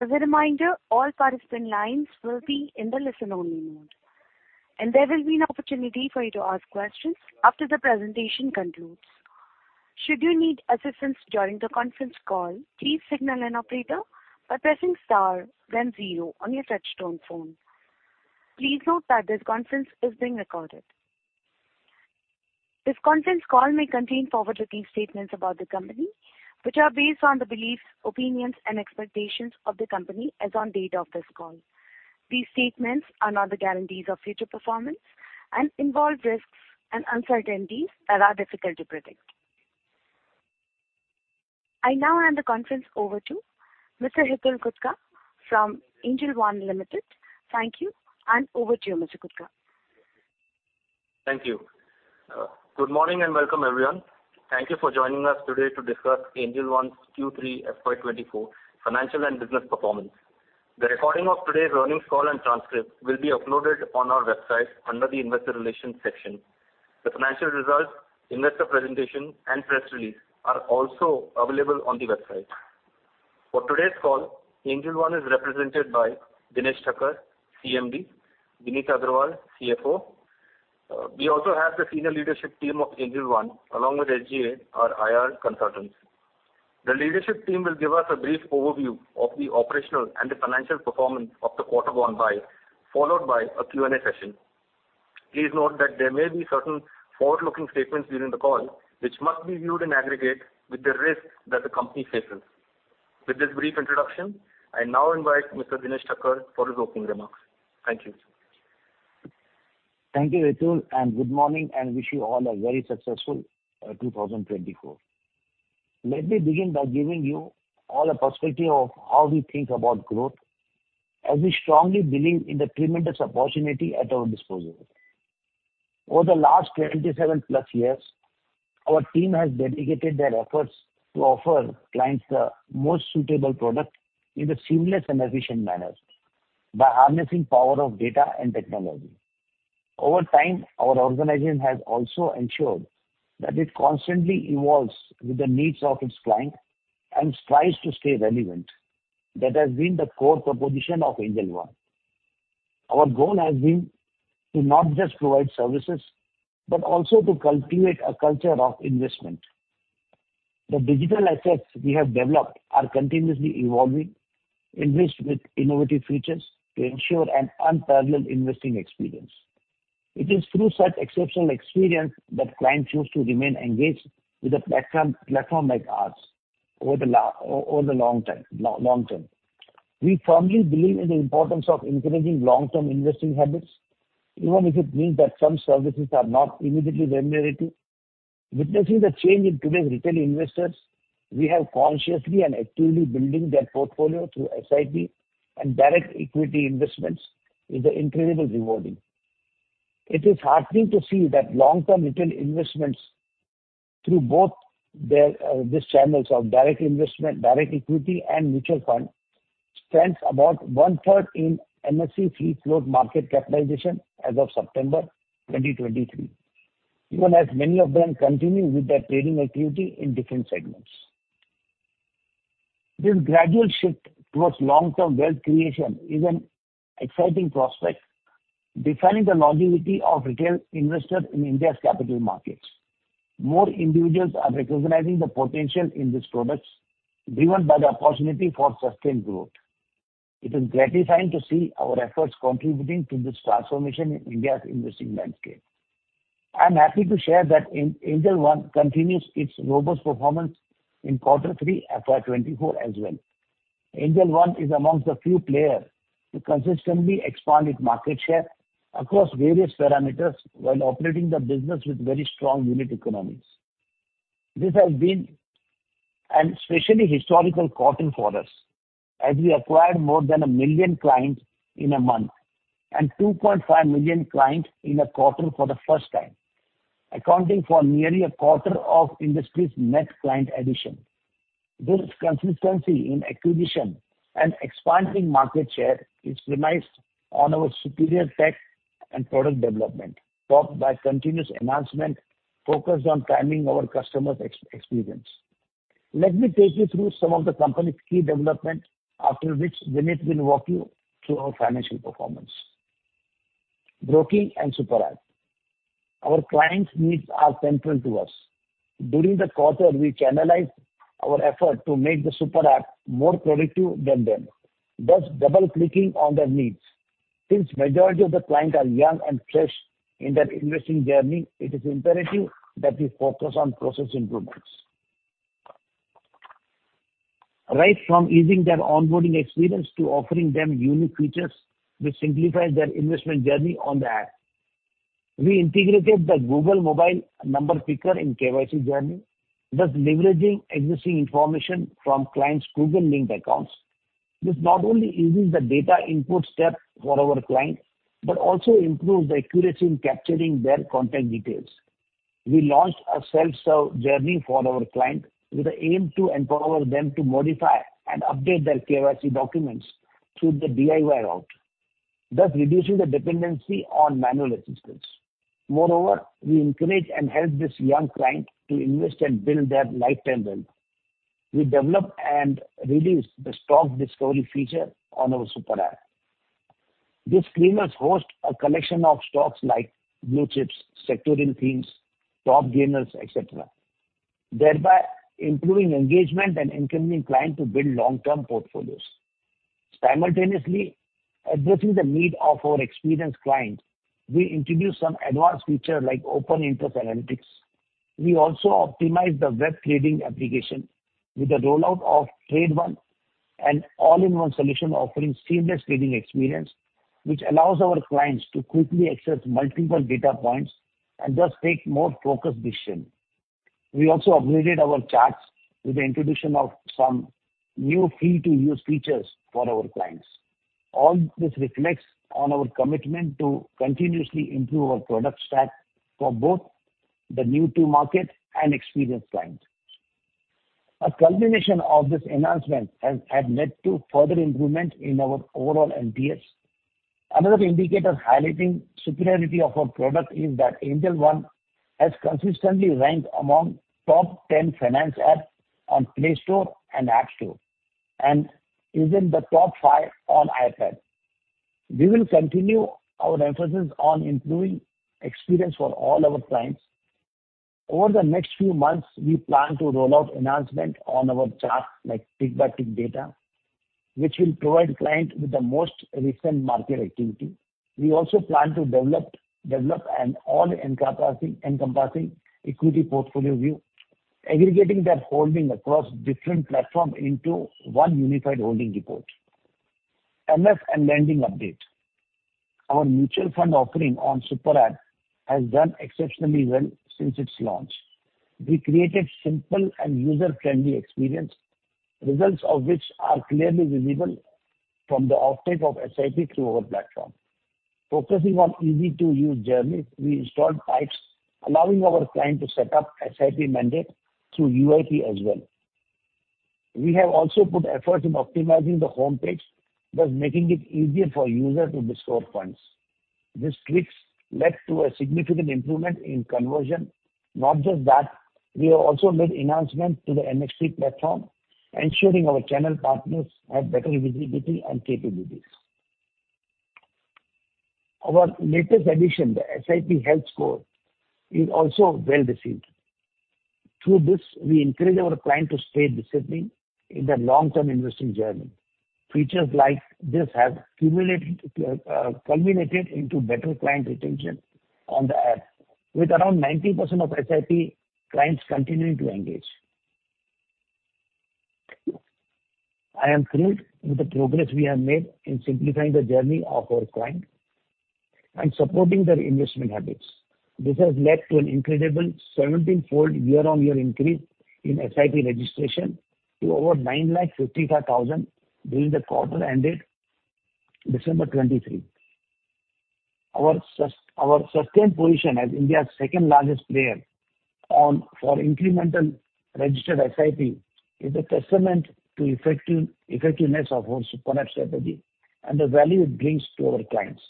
As a reminder, all participant lines will be in the listen-only mode, and there will be an opportunity for you to ask questions after the presentation concludes. Should you need assistance during the conference call, please signal an operator by pressing star then zero on your touchtone phone. Please note that this conference is being recorded. This conference call may contain forward-looking statements about the company, which are based on the beliefs, opinions, and expectations of the company as on date of this call. These statements are not the guarantees of future performance and involve risks and uncertainties that are difficult to predict. I now hand the conference over to Mr. Hitul Gutka from Angel One Limited. Thank you, and over to you, Mr. Gutka. Thank you. Good morning, and welcome, everyone. Thank you for joining us today to discuss Angel One's Q3 FY24 financial and business performance. The recording of today's earnings call and transcript will be uploaded on our website under the Investor Relations section. The financial results, investor presentation, and press release are also available on the website. For today's call, Angel One is represented by Dinesh Thakkar, CMD; Vineet Agrawal, CFO. We also have the senior leadership team of Angel One, along with SGA, our IR consultants. The leadership team will give us a brief overview of the operational and the financial performance of the quarter gone by, followed by a Q&A session. Please note that there may be certain forward-looking statements during the call, which must be viewed in aggregate with the risks that the company faces. With this brief introduction, I now invite Mr. Dinesh Thakkar for his opening remarks. Thank you. Thank you, Hitul, and good morning, and wish you all a very successful 2024. Let me begin by giving you all a perspective of how we think about growth, as we strongly believe in the tremendous opportunity at our disposal. Over the last 27+ years, our team has dedicated their efforts to offer clients the most suitable product in a seamless and efficient manner by harnessing power of data and technology. Over time, our organization has also ensured that it constantly evolves with the needs of its client and strives to stay relevant. That has been the core proposition of Angel One. Our goal has been to not just provide services, but also to cultivate a culture of investment. The digital assets we have developed are continuously evolving, enriched with innovative features to ensure an unparalleled investing experience. It is through such exceptional experience that clients choose to remain engaged with a platform like ours over the long term. We firmly believe in the importance of encouraging long-term investing habits, even if it means that some services are not immediately remunerative. Witnessing the change in today's retail investors, we have consciously and actively building their portfolio through SIP and direct equity investments is incredibly rewarding. It is heartening to see that long-term retail investments through both these channels of direct investment, direct equity and mutual fund, stands about one-third in NSE's free float market capitalization as of September 2023, even as many of them continue with their trading activity in different segments. This gradual shift towards long-term wealth creation is an exciting prospect, defining the longevity of retail investors in India's capital markets. More individuals are recognizing the potential in these products, driven by the opportunity for sustained growth. It is gratifying to see our efforts contributing to this transformation in India's investing landscape. I'm happy to share that Angel One continues its robust performance in Q3, FY 2024 as well. Angel One is among the few players to consistently expand its market share across various parameters while operating the business with very strong unit economies. This has been an especially historical quarter for us, as we acquired more than 1 million clients in a month and 2.5 million clients in a quarter for the first time, accounting for nearly a quarter of industry's net client addition. This consistency in acquisition and expanding market share is premised on our superior tech and product development, topped by continuous enhancement focused on priming our customers' experience. Let me take you through some of the company's key development, after which Vineet will walk you through our financial performance. Broking and Super App. Our clients' needs are central to us. During the quarter, we channelized our effort to make the Super App more productive than them, thus double-clicking on their needs. Since majority of the clients are young and fresh in their investing journey, it is imperative that we focus on process improvements. Right from easing their onboarding experience to offering them unique features, we simplify their investment journey on the app. We integrated the Google Mobile number picker in KYC journey, thus leveraging existing information from clients' Google-linked accounts. This not only eases the data input step for our clients, but also improves the accuracy in capturing their contact details. We launched a self-serve journey for our clients with the aim to empower them to modify and update their KYC documents through the DIY route... thus reducing the dependency on manual assistance. Moreover, we encourage and help this young client to invest and build their lifetime wealth. We developed and released the stock discovery feature on our Super App. These screeners host a collection of stocks like blue chips, sectoral themes, top gainers, et cetera, thereby improving engagement and encouraging clients to build long-term portfolios. Simultaneously, addressing the need of our experienced clients, we introduced some advanced features like open interest analytics. We also optimized the web trading application with the rollout of TradeOne, an all-in-one solution offering seamless trading experience, which allows our clients to quickly access multiple data points and thus make more focused decisions. We also upgraded our charts with the introduction of some new free-to-use features for our clients. All this reflects on our commitment to continuously improve our product stack for both the new-to-market and experienced clients. A culmination of this enhancement has led to further improvement in our overall NPS. Another indicator highlighting superiority of our product is that Angel One has consistently ranked among top 10 finance apps on Play Store and App Store, and is in the top five on iPad. We will continue our emphasis on improving experience for all our clients. Over the next few months, we plan to roll out enhancement on our chart, like tick-by-tick data, which will provide clients with the most recent market activity. We also plan to develop an all-encompassing equity portfolio view, aggregating their holdings across different platforms into one unified holding report. MF and lending update. Our mutual fund offering on Super App has done exceptionally well since its launch. We created simple and user-friendly experience, results of which are clearly visible from the uptake of SIP through our platform. Focusing on easy-to-use journey, we installed pipes, allowing our client to set up SIP mandate through UPI as well. We have also put effort in optimizing the homepage, thus making it easier for users to discover funds. These tweaks led to a significant improvement in conversion. Not just that, we have also made enhancements to the NXT platform, ensuring our channel partners have better visibility and capabilities. Our latest addition, the SIP Health Score, is also well received. Through this, we encourage our client to stay disciplined in their long-term investing journey. Features like this have culminated into better client retention on the app, with around 90% of SIP clients continuing to engage. I am thrilled with the progress we have made in simplifying the journey of our clients and supporting their investment habits. This has led to an incredible 17-fold year-over-year increase in SIP registration to over 955,000 during the quarter ended December 2023. Our sustained position as India's second-largest player on, for incremental registered SIP is a testament to effectiveness of our Super App strategy and the value it brings to our clients.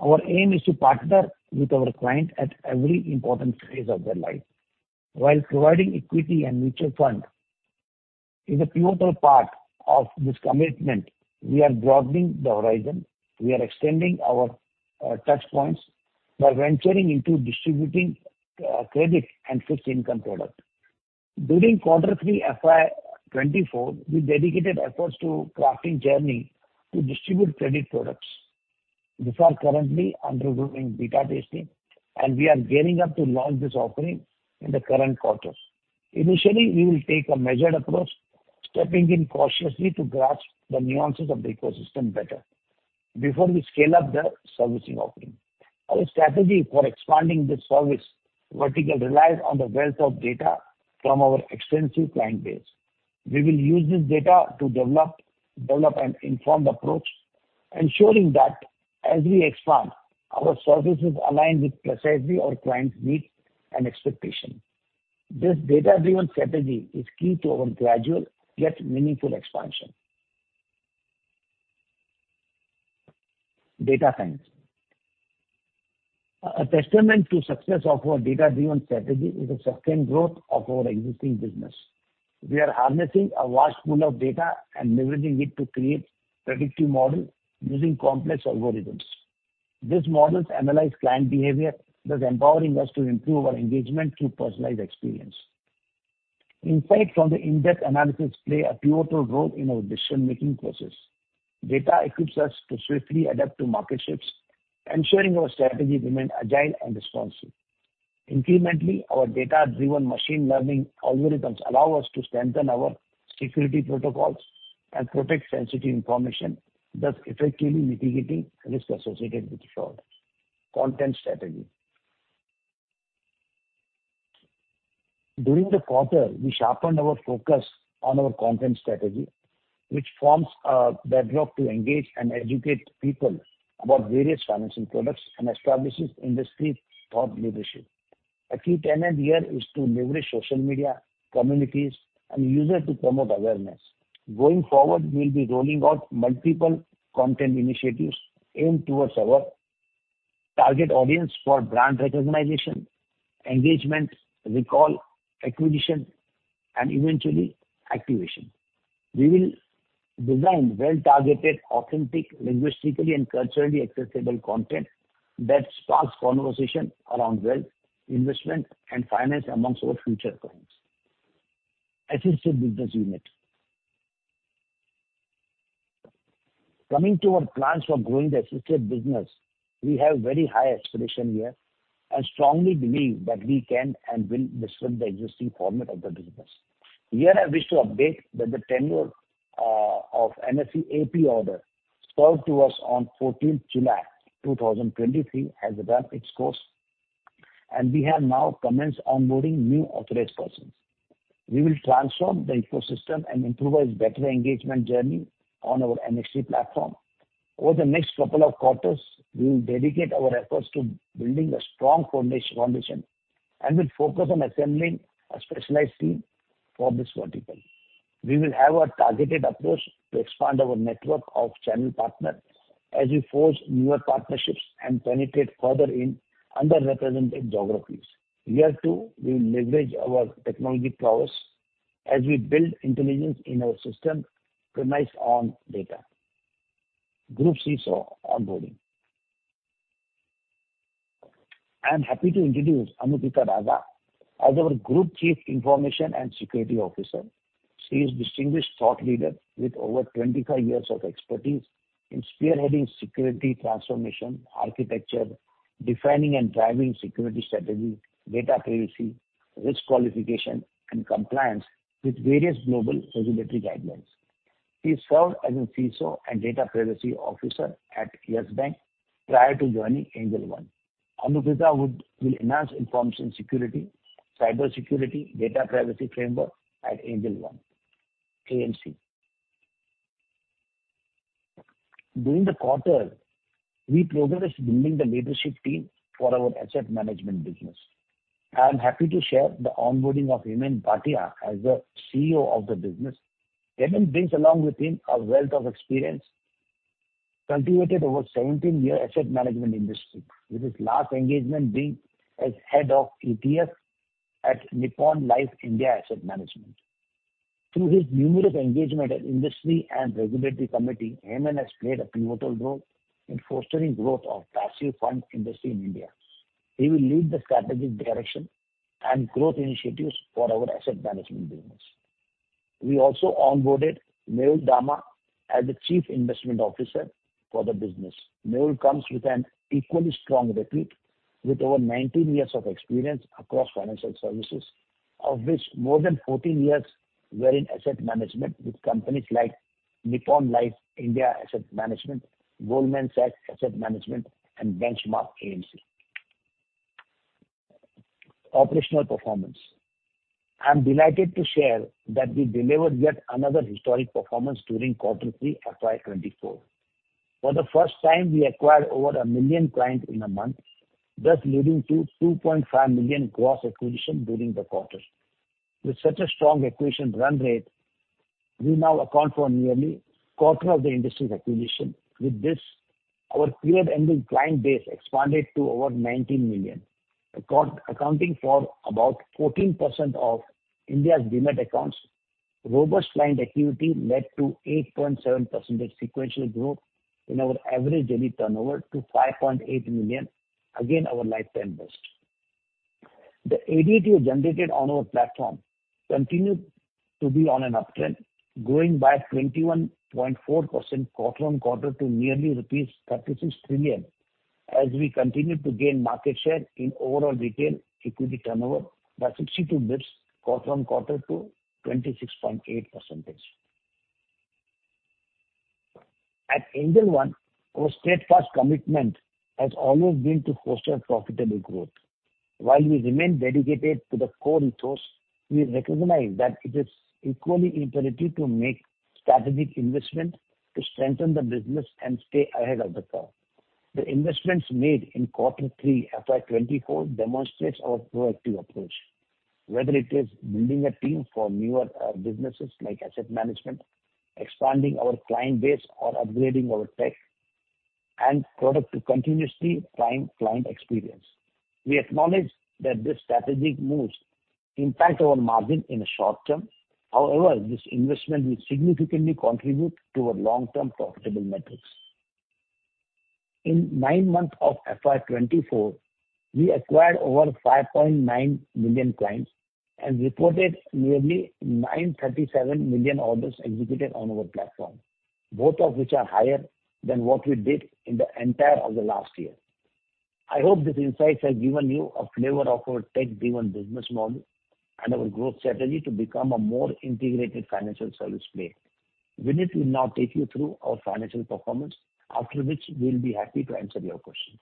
Our aim is to partner with our client at every important phase of their life. While providing equity and mutual fund is a pivotal part of this commitment, we are broadening the horizon. We are extending our touch points by venturing into distributing credit and fixed income product. During Q3 FY 2024, we dedicated efforts to crafting journey to distribute credit products. These are currently undergoing beta testing, and we are gearing up to launch this offering in the current quarter. Initially, we will take a measured approach, stepping in cautiously to grasp the nuances of the ecosystem better before we scale up the servicing offering. Our strategy for expanding this service vertical relies on the wealth of data from our extensive client base. We will use this data to develop, develop an informed approach, ensuring that as we expand, our services align with precisely our clients' needs and expectations. This data-driven strategy is key to our gradual yet meaningful expansion. Data science. A testament to success of our data-driven strategy is the sustained growth of our existing business. We are harnessing a vast pool of data and leveraging it to create predictive models using complex algorithms. These models analyze client behavior, thus empowering us to improve our engagement through personalized experience. Insights from the in-depth analysis play a pivotal role in our decision-making process. Data equips us to swiftly adapt to market shifts, ensuring our strategy remain agile and responsive. Incrementally, our data-driven machine learning algorithms allow us to strengthen our security protocols and protect sensitive information, thus effectively mitigating risks associated with fraud. Content strategy. During the quarter, we sharpened our focus on our content strategy, which forms a bedrock to engage and educate people about various financial products and establishes industry thought leadership. A key tenet here is to leverage social media, communities, and users to promote awareness. Going forward, we'll be rolling out multiple content initiatives aimed towards our target audience for brand recognition, engagement, recall, acquisition, and eventually, activation. We will design well-targeted, authentic, linguistically and culturally accessible content that sparks conversation around wealth, investment, and finance amongst our future clients. Assisted business unit. Coming to our plans for growing the assisted business, we have very high aspiration here, and strongly believe that we can and will disrupt the existing format of the business. Here, I wish to update that the tenure of NSE AP order served to us on 14 July 2023 has run its course, and we have now commenced onboarding new authorized persons. We will transform the ecosystem and improve a better engagement journey on our NSE platform. Over the next couple of quarters, we will dedicate our efforts to building a strong foundation, and will focus on assembling a specialized team for this vertical. We will have a targeted approach to expand our network of channel partners as we forge newer partnerships and penetrate further in underrepresented geographies. Here, too, we will leverage our technology prowess as we build intelligence in our system premised on data. Group CISO onboarding. I'm happy to introduce Anuprita Daga as our Group Chief Information and Security Officer. She is distinguished thought leader, with over 25 years of expertise in spearheading security transformation, architecture, defining and driving security strategy, data privacy, risk qualification, and compliance with various global regulatory guidelines. She served as a CISO and data privacy officer at Yes Bank prior to joining Angel One. Anuprita would... will enhance information security, cybersecurity, data privacy framework at Angel One AMC. During the quarter, we progressed building the leadership team for our asset management business. I am happy to share the onboarding of Hemen Bhatia as the CEO of the business. Hemen brings along with him a wealth of experience, cultivated over 17-year asset management industry, with his last engagement being as head of ETF at Nippon Life India Asset Management. Through his numerous engagements in industry and regulatory committees, Hemen has played a pivotal role in fostering growth of passive fund industry in India. He will lead the strategic direction and growth initiatives for our asset management business. We also onboarded Mehul Dama as the Chief Investment Officer for the business. Mehul comes with an equally strong repertoire, with over 19 years of experience across financial services, of which more than 14 years were in asset management with companies like Nippon Life India Asset Management, Goldman Sachs Asset Management, and Benchmark AMC. Operational performance. I'm delighted to share that we delivered yet another historic performance during Q3, FY 2024. For the first time, we acquired over 1 million clients in a month, thus leading to 2.5 million gross acquisition during the quarter. With such a strong acquisition run rate, we now account for nearly quarter of the industry's acquisition. With this, our period-ending client base expanded to over 19 million, accounting for about 14% of India's Demat accounts. Robust client activity led to 8.7% sequential growth in our average daily turnover to 5.8 million, again, our lifetime best. The ADTO generated on our platform continued to be on an uptrend, growing by 21.4% quarter-on-quarter to nearly rupees 36 trillion, as we continued to gain market share in overall retail equity turnover by 62 basis points, quarter-on-quarter to 26.8%. At Angel One, our steadfast commitment has always been to foster profitable growth. While we remain dedicated to the core ethos, we recognize that it is equally imperative to make strategic investment to strengthen the business and stay ahead of the curve. The investments made in Q3, FY 24, demonstrates our proactive approach, whether it is building a team for newer businesses like asset management, expanding our client base, or upgrading our tech and product to continuously prime client experience. We acknowledge that these strategic moves impact our margin in the short term. However, this investment will significantly contribute to our long-term profitable metrics. In nine months of FY 2024, we acquired over 5.9 million clients and reported nearly 937 million orders executed on our platform, both of which are higher than what we did in the entire of the last year. I hope these insights have given you a flavor of our tech-driven business model and our growth strategy to become a more integrated financial service player. Vineet will now take you through our financial performance, after which we'll be happy to answer your questions.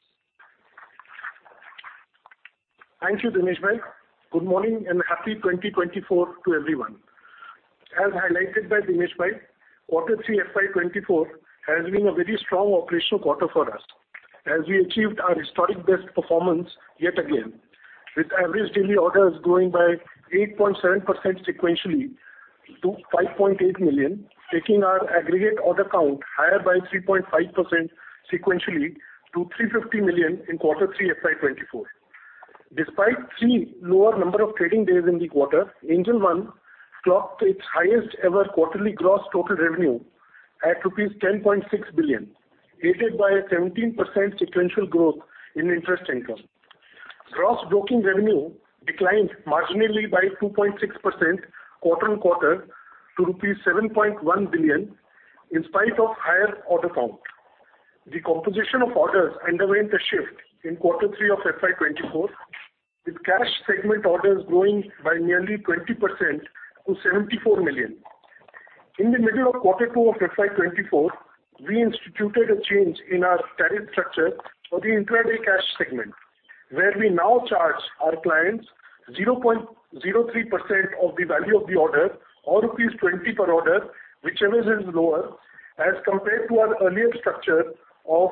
Thank you, Dinesh bhai. Good morning, and happy 2024 to everyone.... As highlighted by Dinesh bhai, Q3 FY 2024 has been a very strong operational quarter for us, as we achieved our historic best performance yet again, with average daily orders growing by 8.7% sequentially to 5.8 million, taking our aggregate order count higher by 3.5% sequentially to 350 million in Q3, FY 2024. Despite three lower number of trading days in the quarter, Angel One clocked its highest ever quarterly gross total revenue at rupees 10.6 billion, aided by a 17% sequential growth in interest income. Gross broking revenue declined marginally by 2.6% quarter on quarter, to rupees 7.1 billion, in spite of higher order count. The composition of orders underwent a shift in Q3 of FY 2024, with cash segment orders growing by nearly 20% to 74 million. In the middle of Q2 of FY 2024, we instituted a change in our tariff structure for the intraday cash segment, where we now charge our clients 0.03% of the value of the order, or rupees 20 per order, whichever is lower, as compared to our earlier structure of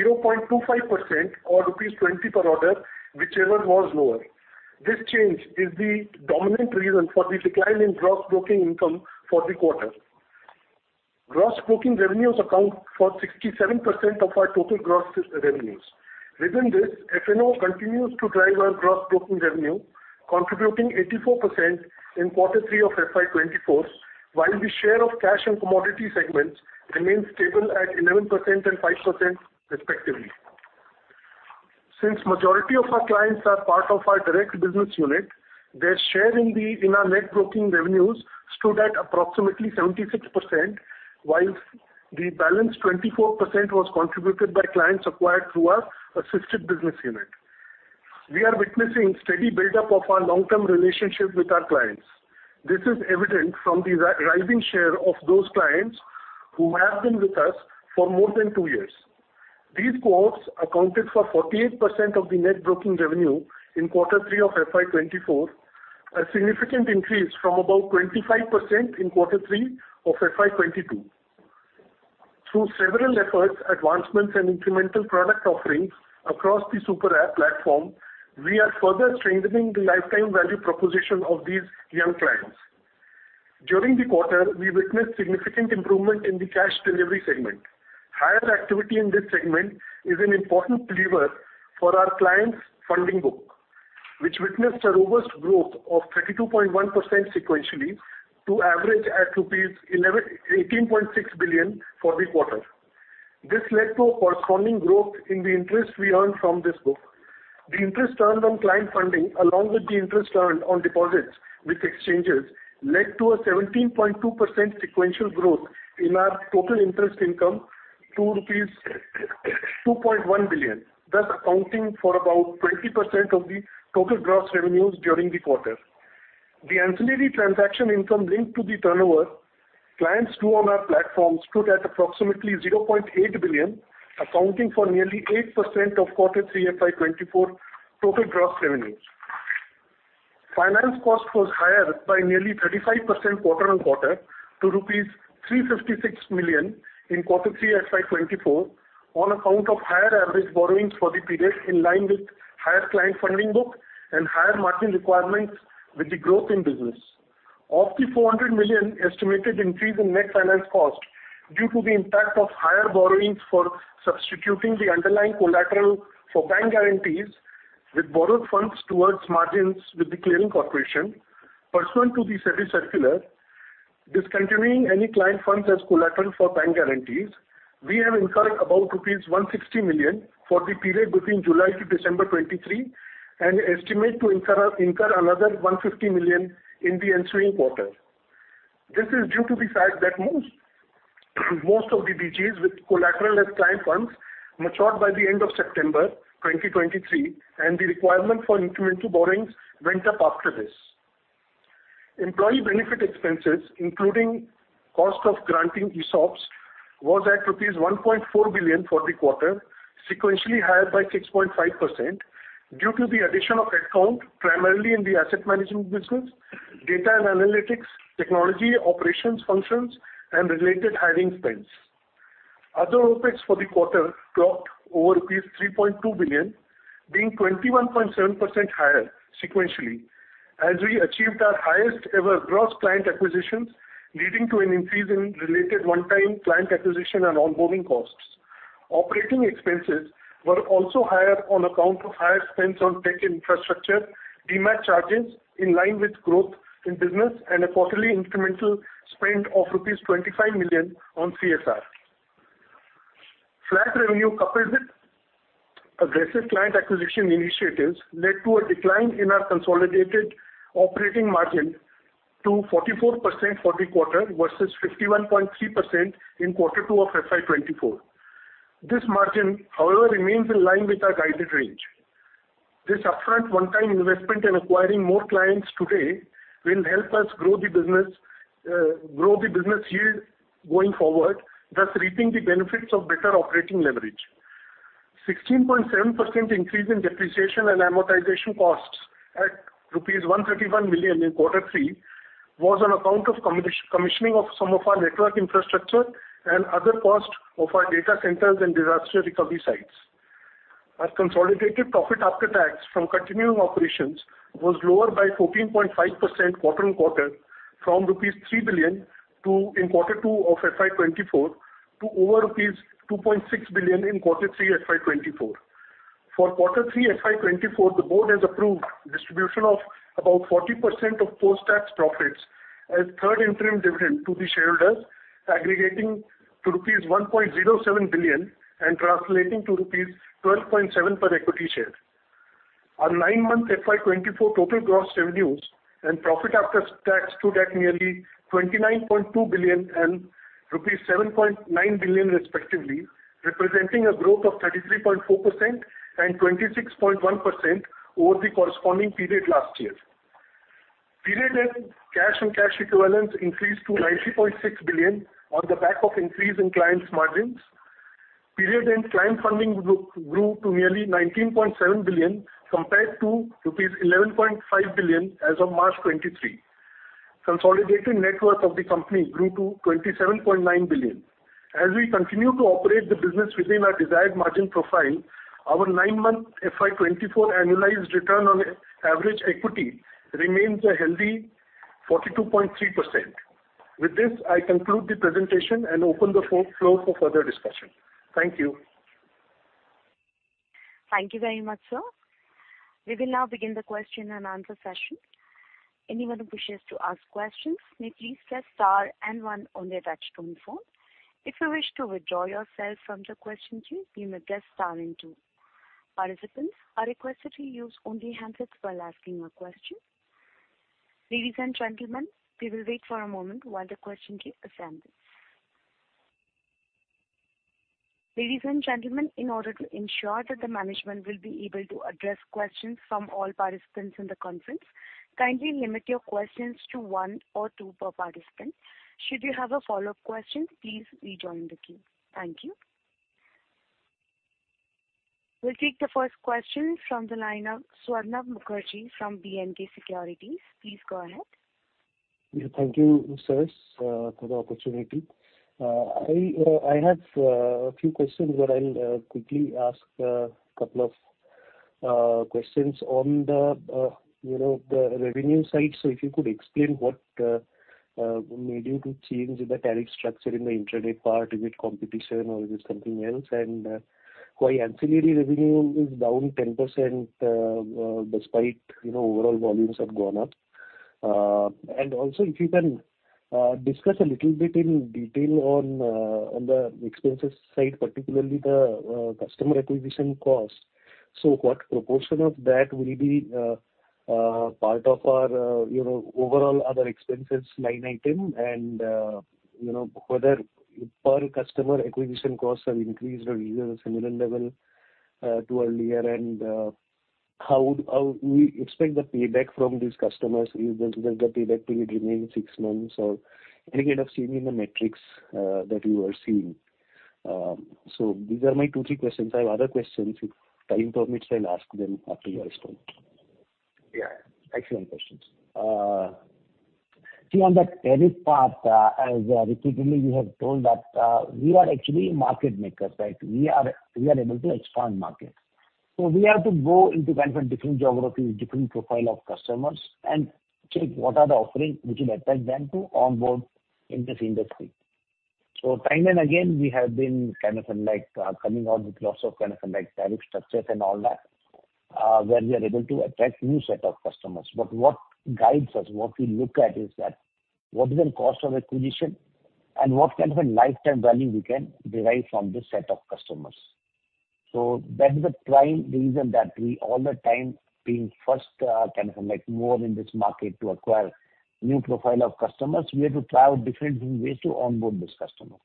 0.25% or rupees 20 per order, whichever was lower. This change is the dominant reason for the decline in gross broking income for the quarter. Gross broking revenues account for 67% of our total gross revenues. Within this, FNO continues to drive our gross broking revenue, contributing 84% in Q3 FY2024, while the share of cash and commodity segments remains stable at 11% and 5% respectively. Since majority of our clients are part of our direct business unit, their share in our net broking revenues stood at approximately 76%, whilst the balance 24% was contributed by clients acquired through our assisted business unit. We are witnessing steady buildup of our long-term relationship with our clients. This is evident from the rising share of those clients who have been with us for more than two years. These cohorts accounted for 48% of the net broking revenue in Q3 FY 2024, a significant increase from about 25% in Q3 FY 2022. Through several efforts, advancements, and incremental product offerings across the super app platform, we are further strengthening the lifetime value proposition of these young clients. During the quarter, we witnessed significant improvement in the cash delivery segment. Higher activity in this segment is an important lever for our clients' funding book, which witnessed a robust growth of 32.1% sequentially, to average at rupees 118.6 billion for the quarter. This led to a corresponding growth in the interest we earned from this book. The interest earned on client funding, along with the interest earned on deposits with exchanges, led to a 17.2% sequential growth in our total interest income to rupees 2.1 billion, thus accounting for about 20% of the total gross revenues during the quarter. The ancillary transaction income linked to the turnover, clients do on our platform stood at approximately 0.8 billion, accounting for nearly 8% of Q3 FY 2024 total gross revenues. Finance cost was higher by nearly 35% quarter-on-quarter, to INR 356 million in Q3 FY 2024, on account of higher average borrowings for the period, in line with higher client funding book and higher margin requirements with the growth in business. Of the 400 million estimated increase in net finance cost, due to the impact of higher borrowings for substituting the underlying collateral for bank guarantees with borrowed funds towards margins with the Clearing Corporation, pursuant to the SEBI circular, discontinuing any client funds as collateral for bank guarantees, we have incurred about rupees 160 million for the period between July to December 2023, and estimate to incur another 150 million in the ensuing quarter. This is due to the fact that most of the BGs with collateral as client funds matured by the end of September 2023, and the requirement for incremental borrowings went up after this. Employee benefit expenses, including cost of granting ESOPs, was at rupees 1.4 billion for the quarter, sequentially higher by 6.5%, due to the addition of headcount, primarily in the asset management business, data and analytics, technology, operations functions, and related hiring spends. Other OpEx for the quarter clocked over rupees 3.2 billion, being 21.7% higher sequentially, as we achieved our highest ever gross client acquisitions, leading to an increase in related one-time client acquisition and onboarding costs. Operating expenses were also higher on account of higher spends on tech infrastructure, Demat charges in line with growth in business, and a quarterly incremental spend of rupees 25 million on CSR. Flat revenue, coupled with aggressive client acquisition initiatives, led to a decline in our consolidated operating margin to 44% for the quarter, versus 51.3% in Q2 of FY 2024. This margin, however, remains in line with our guided range. This upfront one-time investment in acquiring more clients today, will help us grow the business, grow the business yield going forward, thus reaping the benefits of better operating leverage.... 16.7% increase in depreciation and amortization costs at rupees 131 billion in Q3, was on account of commissioning of some of our network infrastructure and other costs of our data centers and disaster recovery sites. Our consolidated profit after tax from continuing operations was lower by 14.5% quarter-on-quarter, from INR 3 billion to in Q2 of FY 2024 to over rupees 2.6 billion in Q3, FY 2024. For Q3, FY 2024, the board has approved distribution of about 40% of post-tax profits as third interim dividend to the shareholders, aggregating to rupees 1.07 billion and translating to rupees 12.7 per equity share. On nine months, FY 2024 total gross revenues and profit after tax stood at nearly 29.2 and 7.9 billion, respectively, representing a growth of 33.4% and 26.1% over the corresponding period last year. Period end, cash and cash equivalents increased to 90.6 billion on the back of increase in clients' margins. Period end, client funding grew to nearly 19.7 compared to 11.5 billion as of March 2023. Consolidated net worth of the company grew to 27.9 billion. As we continue to operate the business within our desired margin profile, our nine-month FY 2024 annualized return on average equity remains a healthy 42.3%. With this, I conclude the presentation and open the floor for further discussion. Thank you. Thank you very much, sir. We will now begin the question and answer session. Anyone who wishes to ask questions, may please press star and one on their touchtone phone. If you wish to withdraw yourself from the question queue, you may press star and two. Participants are requested to use only handsets while asking a question. Ladies and gentlemen, we will wait for a moment while the question queue assembles. Ladies and gentlemen, in order to ensure that the management will be able to address questions from all participants in the conference, kindly limit your questions to one or two per participant. Should you have a follow-up question, please rejoin the queue. Thank you. We'll take the first question from the line of Swarnabh Mukherjee from B&K Securities. Please go ahead. Yeah, thank you, sirs, for the opportunity. I have a few questions, but I'll quickly ask a couple of questions. On the, you know, the revenue side, so if you could explain what made you to change the tariff structure in the intraday part, is it competition or is it something else? And why ancillary revenue is down 10%, despite, you know, overall volumes have gone up. And also, if you can discuss a little bit in detail on the expenses side, particularly the customer acquisition cost. So what proportion of that will be part of our, you know, overall other expenses line item, and, you know, whether per customer acquisition costs have increased or is at a similar level to earlier? And how we expect the payback from these customers, is the payback period remains six months, or any kind of change in the metrics that you are seeing? These are my two, three questions. I have other questions. If time permits, I'll ask them after you guys go. Yeah, excellent questions. See, on the tariff part, as repeatedly we have told that we are actually market makers, right? We are, we are able to expand markets. So we have to go into kind of a different geographies, different profile of customers, and check what are the offerings which will attract them to onboard in this industry. So time and again, we have been kind of like coming out with lots of, kind of like, tariff structures and all that where we are able to attract new set of customers. But what guides us, what we look at is that, what is the cost of acquisition and what kind of a lifetime value we can derive from this set of customers? So that is the prime reason that we all the time being first, kind of like, move in this market to acquire new profile of customers. We have to try out different ways to onboard this customer.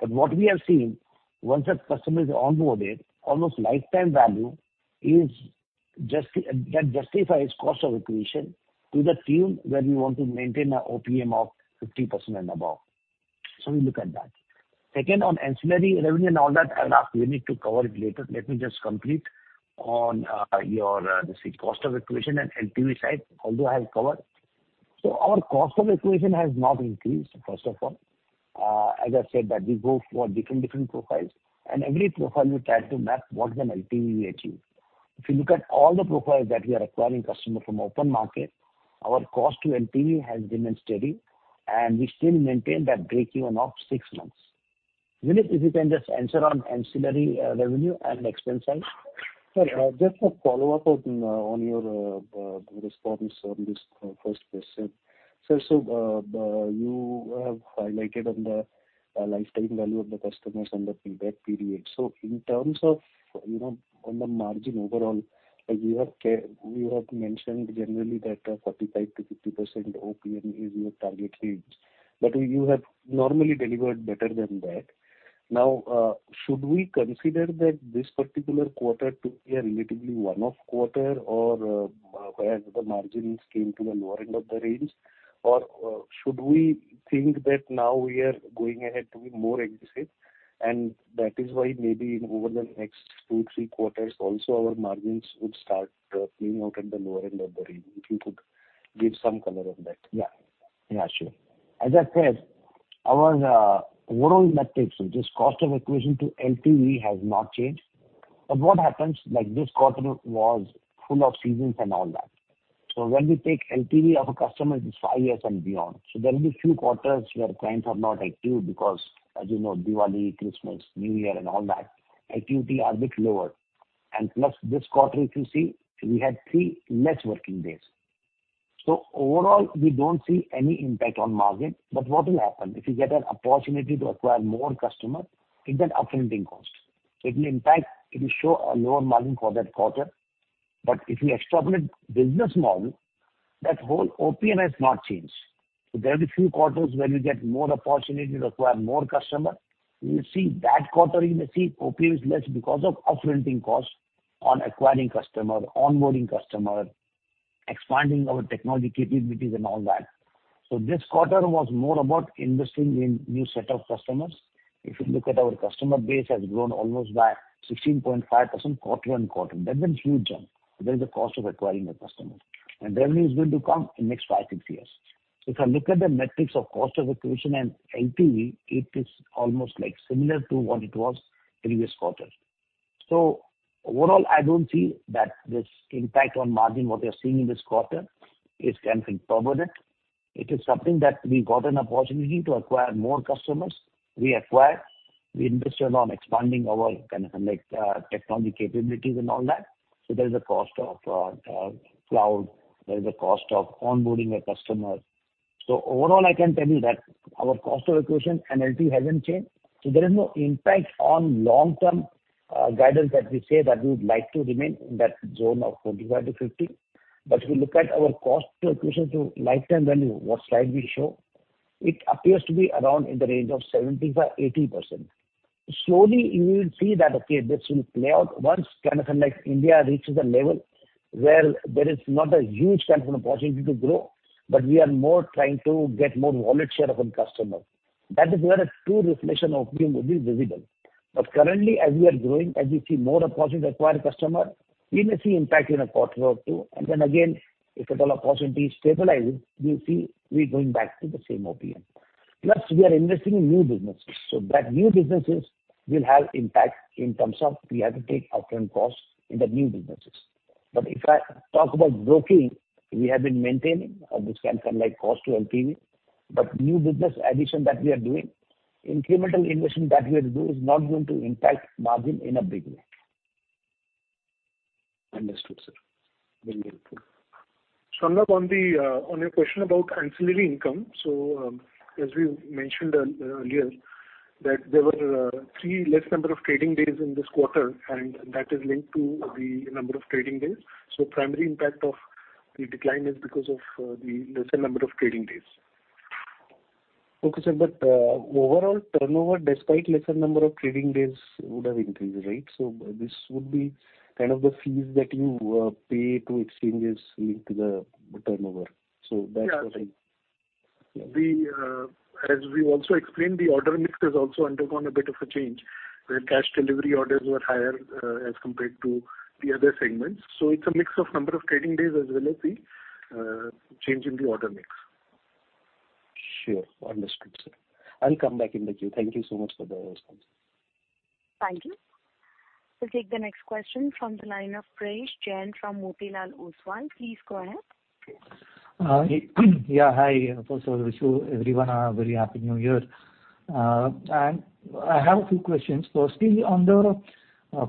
But what we have seen, once a customer is onboarded, almost lifetime value is justifies cost of acquisition to the tune where we want to maintain our OPM of 50% and above. So we look at that. Second, on ancillary revenue and all that, Vineet to cover it later. Let me just complete on, your, the cost of acquisition and LTV side, although I have covered. So our cost of acquisition has not increased, first of all. As I said, that we go for different, different profiles, and every profile we try to map what is an LTV we achieve. If you look at all the profiles that we are acquiring customer from open market, our cost to LTV has remained steady, and we still maintain that breakeven of six months. Vineet, if you can just answer on ancillary, revenue and expense side. Sir, just a follow-up on, on your, response on this first question. Sir, so, you have highlighted on the, lifetime value of the customers and the feedback period. So in terms of, you know, on the margin overall, you have you have mentioned generally that a 45%-50% OPM is your target range, but you have normally delivered better than that.... Now, should we consider that this particular quarter to be a relatively one-off quarter or, where the margins came to the lower end of the range? Or, should we think that now we are going ahead to be more aggressive, and that is why maybe over the next two, three quarters also, our margins would start, coming out at the lower end of the range? If you could give some color on that. Yeah. Yeah, sure. As I said, our overall metrics, this cost of acquisition to LTV has not changed. But what happens, like, this quarter was full of seasons and all that. So when we take LTV of a customer, it's five years and beyond. So there will be a few quarters where clients are not active, because as you know, Diwali, Christmas, New Year, and all that, activity are bit lower. And plus, this quarter, if you see, we had three less working days. So overall, we don't see any impact on margin. But what will happen? If you get an opportunity to acquire more customer, it's an up-fronting cost. So it will impact, it will show a lower margin for that quarter. But if you extrapolate business model, that whole OPM has not changed. So there'll be few quarters where you get more opportunity to acquire more customer. You will see that quarter, you may see OPM is less because of up-fronting costs on acquiring customer, onboarding customer, expanding our technology capabilities and all that. So this quarter was more about investing in new set of customers. If you look at our customer base, has grown almost by 16.5%, quarter-on-quarter. That's a huge jump. There is a cost of acquiring a customer, and the revenue is going to come in next five to six years. If I look at the metrics of cost of acquisition and LTV, it is almost, like, similar to what it was previous quarter. So overall, I don't see that this impact on margin, what we are seeing in this quarter, is anything permanent. It is something that we got an opportunity to acquire more customers. We acquired, we invested on expanding our kind of like technology capabilities and all that. So there is a cost of cloud, there is a cost of onboarding a customer. So overall, I can tell you that our cost of acquisition and LTV hasn't changed, so there is no impact on long-term guidance that we say that we would like to remain in that zone of 45-50. But if you look at our cost acquisition to lifetime value, what slide we show, it appears to be around in the range of 75%-80%. Slowly, you will see that, okay, this will play out once kind of like India reaches a level where there is not a huge kind of an opportunity to grow, but we are more trying to get more wallet share of a customer. That is where a true reflection of OPM will be visible. But currently, as we are growing, as we see more opportunity to acquire customer, we may see impact in a quarter or two. And then again, if at all opportunity stabilizes, we'll see we're going back to the same OPM. Plus, we are investing in new businesses, so that new businesses will have impact in terms of we have to take upfront costs in the new businesses. But if I talk about broking, we have been maintaining this kind of like cost to LTV, but new business addition that we are doing, incremental investment that we are to do, is not going to impact margin in a big way. Understood, sir. Very helpful. Swarnabh, on your question about ancillary income. So, as we mentioned earlier, that there were three less number of trading days in this quarter, and that is linked to the number of trading days. So primary impact of the decline is because of the lesser number of trading days. Okay, sir, but overall turnover, despite lesser number of trading days, would have increased, right? So this would be kind of the fees that you pay to exchanges linked to the turnover. So that's what I- Yeah. As we also explained, the order mix has also undergone a bit of a change, where cash delivery orders were higher as compared to the other segments. So it's a mix of number of trading days as well as the change in the order mix. Sure. Understood, sir. I'll come back in the queue. Thank you so much for the response. Thank you. We'll take the next question from the line of Prayesh Jain from Motilal Oswal. Please go ahead. Yeah, hi. First of all, wish you, everyone, a very happy New Year. And I have a few questions. Firstly, on the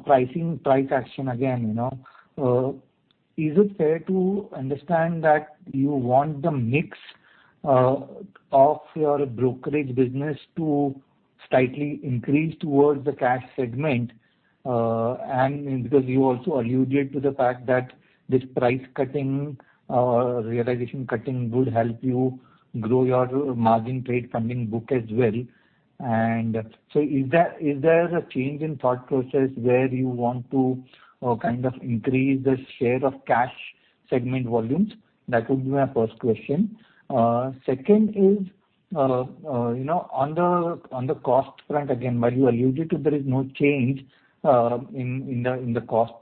pricing, price action, again, you know, is it fair to understand that you want the mix of your brokerage business to slightly increase towards the cash segment? And because you also alluded to the fact that this price cutting, realization cutting would help you grow your margin trade funding book as well. And so is there, is there a change in thought process where you want to kind of increase the share of cash segment volumes? That would be my first question. Second is, you know, on the cost front, again, while you alluded to there is no change in the cost,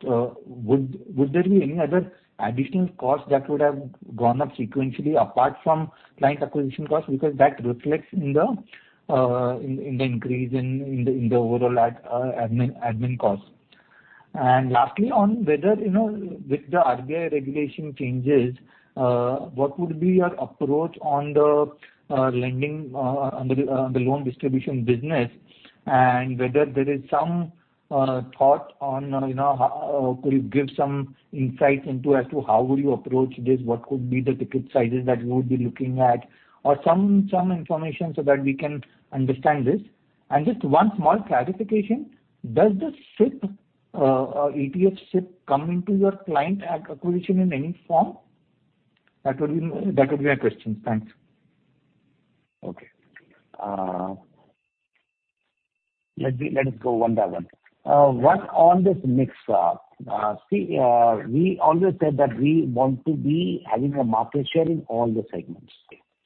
would there be any other additional costs that would have gone up sequentially apart from client acquisition costs? Because that reflects in the increase in the overall admin costs. And lastly, on whether, you know, with the RBI regulation changes, what would be your approach on the lending, on the loan distribution business, and whether there is some thought on, you know, how, could you give some insight into as to how would you approach this? What could be the ticket sizes that you would be looking at? Or some information so that we can understand this. Just one small clarification: Does the SIP, ETF SIP, come into your client acquisition in any form? That would be, that would be my question. Thanks. Okay. Let us go one by one. One, on this mix up, see, we always said that we want to be having a market share in all the segments.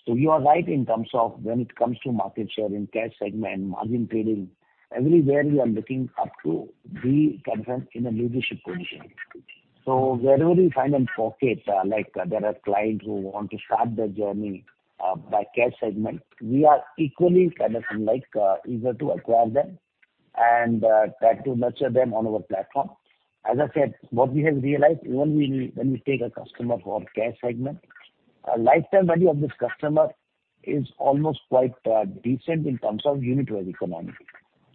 So you are right in terms of when it comes to market share in cash segment, margin trading, everywhere we are looking up to be present in a leadership position. So wherever we find a pocket, like there are clients who want to start their journey by cash segment, we are equally, kind of, like, eager to acquire them and try to nurture them on our platform. As I said, what we have realized, when we take a customer for cash segment, a lifetime value of this customer is almost quite decent in terms of unit-wide economy.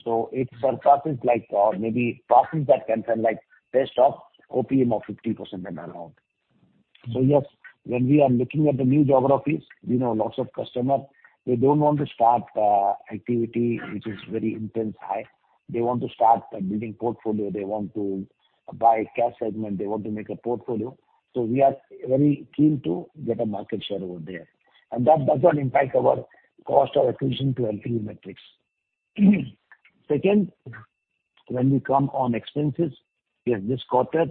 So it surpasses, like, maybe past the consensus, like, best OPM of 50% and around. So yes, when we are looking at the new geographies, we know lots of customers, they don't want to start activity which is very intense, high. They want to start building portfolio, they want to buy cash segment, they want to make a portfolio. So we are very keen to get a market share over there. And that doesn't impact our cost or attrition to LTV metrics. Second, when we come to expenses, yes, this quarter,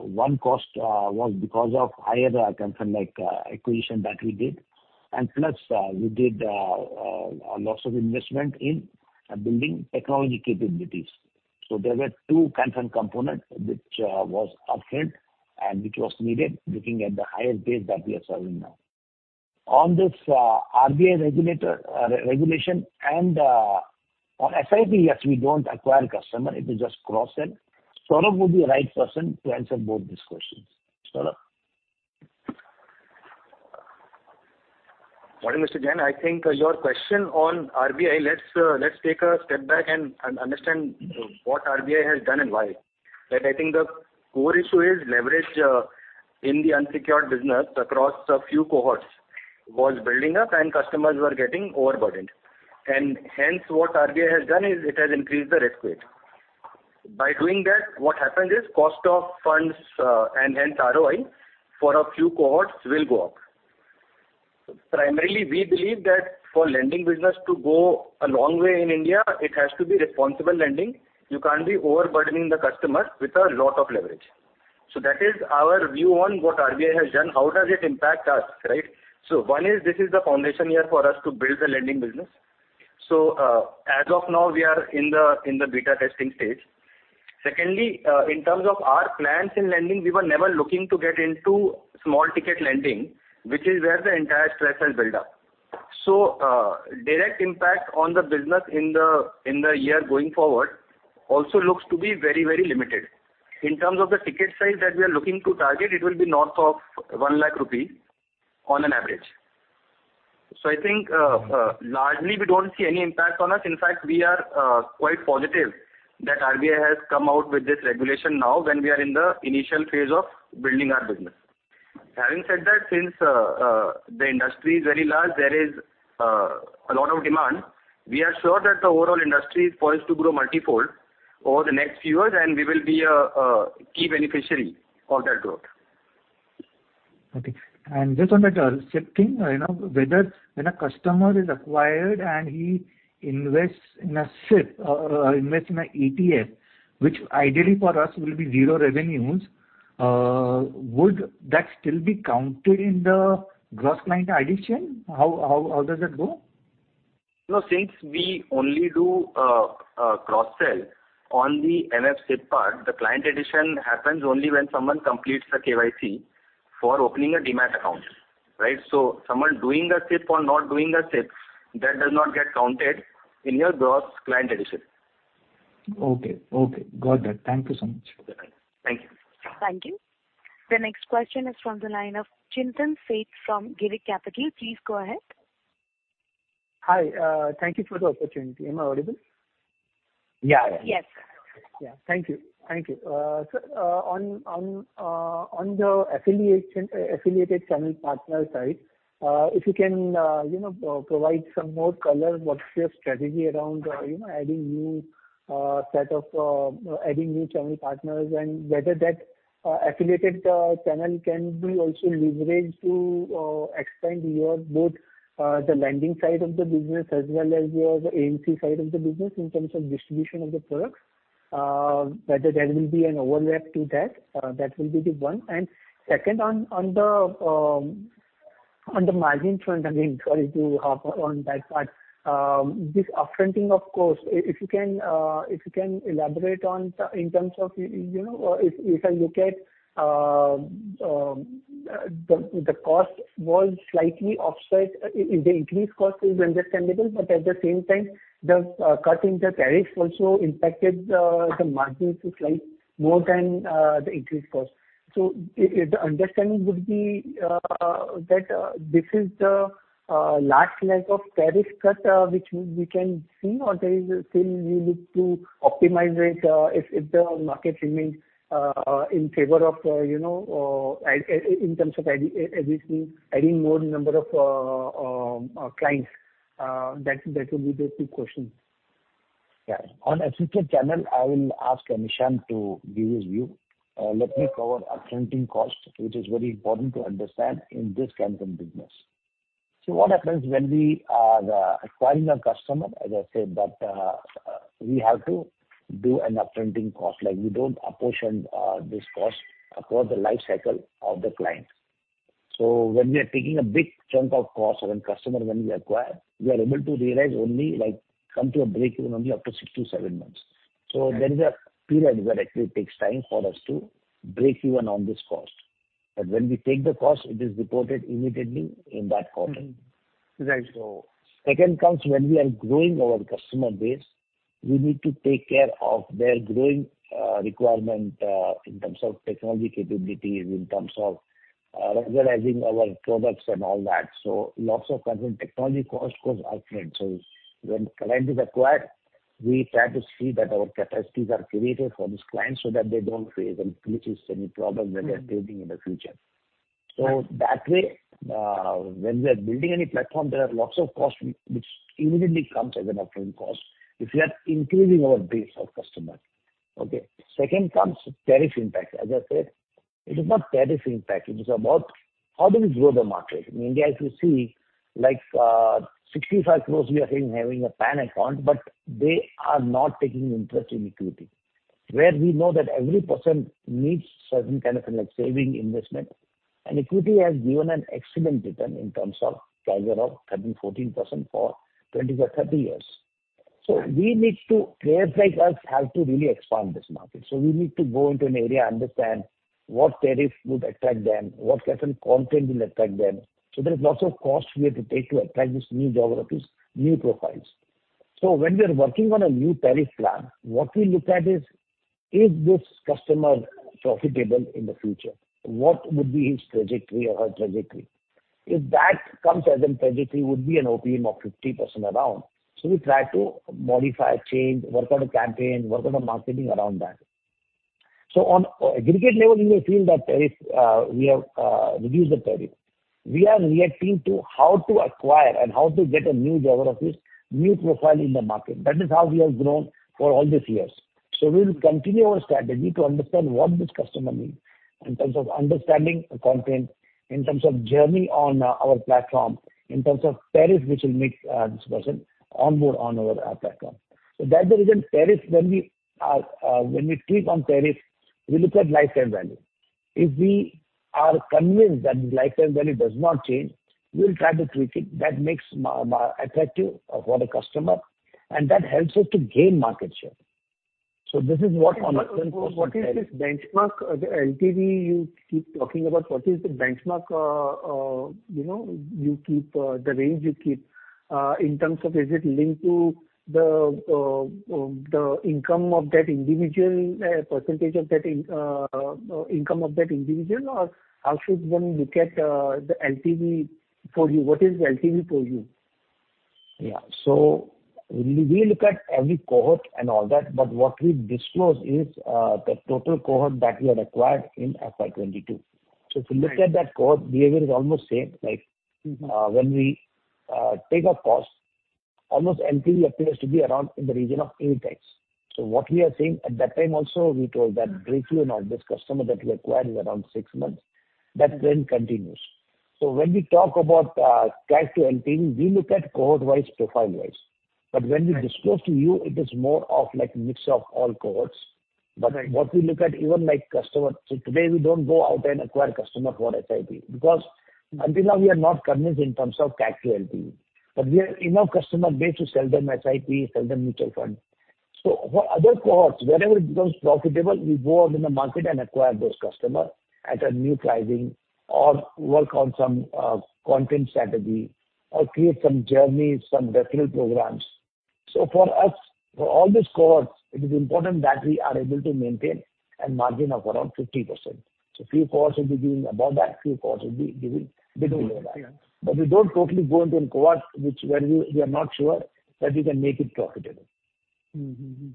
one cost was because of higher customer acquisition that we did. And plus, we did lots of investment in building technology capabilities. So there were two components which was upfront and which was needed, looking at the higher base that we are serving now. On this, RBI regulator, regulation and, on SIP, yes, we don't acquire customer, it is just cross-sell. Saurabh would be the right person to answer both these questions. Saurabh? Good morning, Mr. Jain. I think your question on RBI. Let's take a step back and understand what RBI has done and why. That, I think, the core issue is leverage in the unsecured business across a few cohorts was building up and customers were getting overburdened. Hence, what RBI has done is it has increased the risk weight. By doing that, what happened is cost of funds and hence ROI for a few cohorts will go up. Primarily, we believe that for lending business to go a long way in India, it has to be responsible lending. You can't be overburdening the customer with a lot of leverage. So that is our view on what RBI has done. How does it impact us, right? So one is this is the foundation year for us to build the lending business. So, as of now, we are in the beta testing stage. Secondly, in terms of our plans in lending, we were never looking to get into small ticket lending, which is where the entire stress has built up. So, direct impact on the business in the year going forward, also looks to be very, very limited. In terms of the ticket size that we are looking to target, it will be north of 100,000 rupee on an average. So I think, largely, we don't see any impact on us. In fact, we are quite positive that RBI has come out with this regulation now, when we are in the initial phase of building our business. Having said that, since the industry is very large, there is a lot of demand. We are sure that the overall industry is poised to grow multifold over the next few years, and we will be a key beneficiary of that growth. Okay. And just on the SIP thing, I know whether when a customer is acquired and he invests in a SIP or invests in an ETF, which ideally for us will be zero revenues, would that still be counted in the gross client addition? How, how, how does that go? No, since we only do a cross-sell on the MF SIP part, the client addition happens only when someone completes the KYC for opening a Demat account, right? So someone doing a SIP or not doing a SIP, that does not get counted in your gross client addition. Okay, okay. Got that. Thank you so much. Thank you. Thank you. The next question is from the line of Chintan Sheth from Girik Capital. Please go ahead. Hi, thank you for the opportunity. Am I audible? Yeah. Yes. Yeah. Thank you. Thank you. So, on the affiliation, affiliated channel partner side, if you can, you know, provide some more color, what's your strategy around, you know, adding new set of adding new channel partners, and whether that affiliated channel can be also leveraged to expand your both the lending side of the business, as well as your AMC side of the business in terms of distribution of the products? Whether there will be an overlap to that? That will be the one. And second, on the margin front, again, sorry to hop on that part. This upfronting, of course, if you can, if you can elaborate on the... In terms of, you know, if I look at the cost was slightly offset. If the increased cost is understandable, but at the same time, the cut in the tariffs also impacted the margins to slight more than the increased cost. So the understanding would be that this is the last leg of tariff cut which we can see, or there is still you need to optimize it if the market remains in favor of you know in terms of adding more number of clients? That would be the two questions.... Yeah. On assisted channel, I will ask Nishant to give his view. Let me cover up-fronting cost, which is very important to understand in this kind of business. So what happens when we are acquiring a customer, as I said, that we have to do an up-fronting cost. Like, we don't apportion this cost across the life cycle of the client. So when we are taking a big chunk of cost on a customer when we acquire, we are able to realize only, like, come to a break-even only after six to seven months. So there is a period where actually it takes time for us to break even on this cost, but when we take the cost, it is reported immediately in that quarter. Right. So second comes when we are growing our customer base, we need to take care of their growing requirement in terms of technology capabilities, in terms of organizing our products and all that. So lots of current technology cost goes up-front. So when client is acquired, we try to see that our capacities are created for this client, so that they don't face any glitches, any problem that they are creating in the future. So that way, when we are building any platform, there are lots of costs which immediately comes as an up-front cost if we are increasing our base of customers. Okay? Second comes tariff impact. As I said, it is not tariff impact, it is about how do we grow the market? In India, if you see, like, 65 crore, we are saying, having a PAN account, but they are not taking interest in equity. Where we know that every person needs certain kind of thing, like saving investment, and equity has given an excellent return in terms of CAGR of 13%-14% for 20-30 years. So we need to... Players like us have to really expand this market. So we need to go into an area, understand what tariff would attract them, what certain content will attract them. So there is lots of costs we have to take to attract these new geographies, new profiles. So when we are working on a new tariff plan, what we look at is, is this customer profitable in the future? What would be his trajectory or her trajectory? If that comes as a trajectory, would be an OPM of 50% around. So we try to modify, change, work on a campaign, work on a marketing around that. So on an aggregate level, you may feel that tariff, we have reduced the tariff. We are reacting to how to acquire and how to get new geographies, new profile in the market. That is how we have grown for all these years. So we will continue our strategy to understand what this customer needs in terms of understanding the content, in terms of journey on our platform, in terms of tariff, which will make this person on board on our platform. So that's the reason, tariff when we tweak on tariff, we look at lifetime value. If we are convinced that the lifetime value does not change, we'll try to tweak it. That makes attractive for the customer, and that helps us to gain market share. So this is what on- What is this benchmark, LTV you keep talking about? What is the benchmark, you know, you keep, the range you keep, in terms of is it linked to the, the income of that individual, percentage of that in, income of that individual? Or how should one look at, the LTV for you? What is LTV for you? Yeah. So we look at every cohort and all that, but what we disclose is the total cohort that we have acquired in FY 2022. So if you look at that cohort, behavior is almost same, like- Mm-hmm. When we take a cost, almost LTV appears to be around in the region of 8x. So what we are saying, at that time also, we told that break even on this customer that we acquired is around six months, that trend continues. So when we talk about CAC to LTV, we look at cohort-wise, profile-wise. Right. When we disclose to you, it is more of like mix of all cohorts. Right. But what we look at, even like customer... So today, we don't go out and acquire customer for SIP, because until now, we are not convinced in terms of CAC to LTV, but we have enough customer base to sell them SIP, sell them mutual fund. So for other cohorts, wherever it becomes profitable, we go out in the market and acquire those customer at a new pricing or work on some content strategy or create some journeys, some referral programs. So for us, for all these cohorts, it is important that we are able to maintain a margin of around 50%. So few cohorts will be doing above that, few cohorts will be doing below that. Yeah. But we don't totally go into a cohort where we are not sure that we can make it profitable. Mm-hmm. Mm-hmm.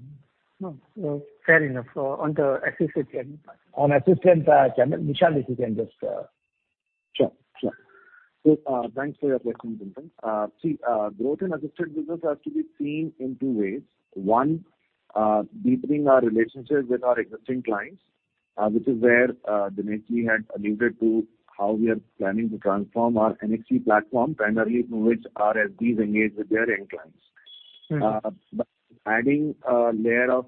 No, so fair enough. So on the assisted channel? On assisted channel, Nishant, if you can just... Sure, sure. Thanks for your question, Chintan. See, growth in assisted business has to be seen in two ways. One, deepening our relationships with our existing clients, which is where, Dinesh had alluded to how we are planning to transform our NXT platform, primarily through which our SBs engage with their end clients. Mm-hmm. But adding a layer of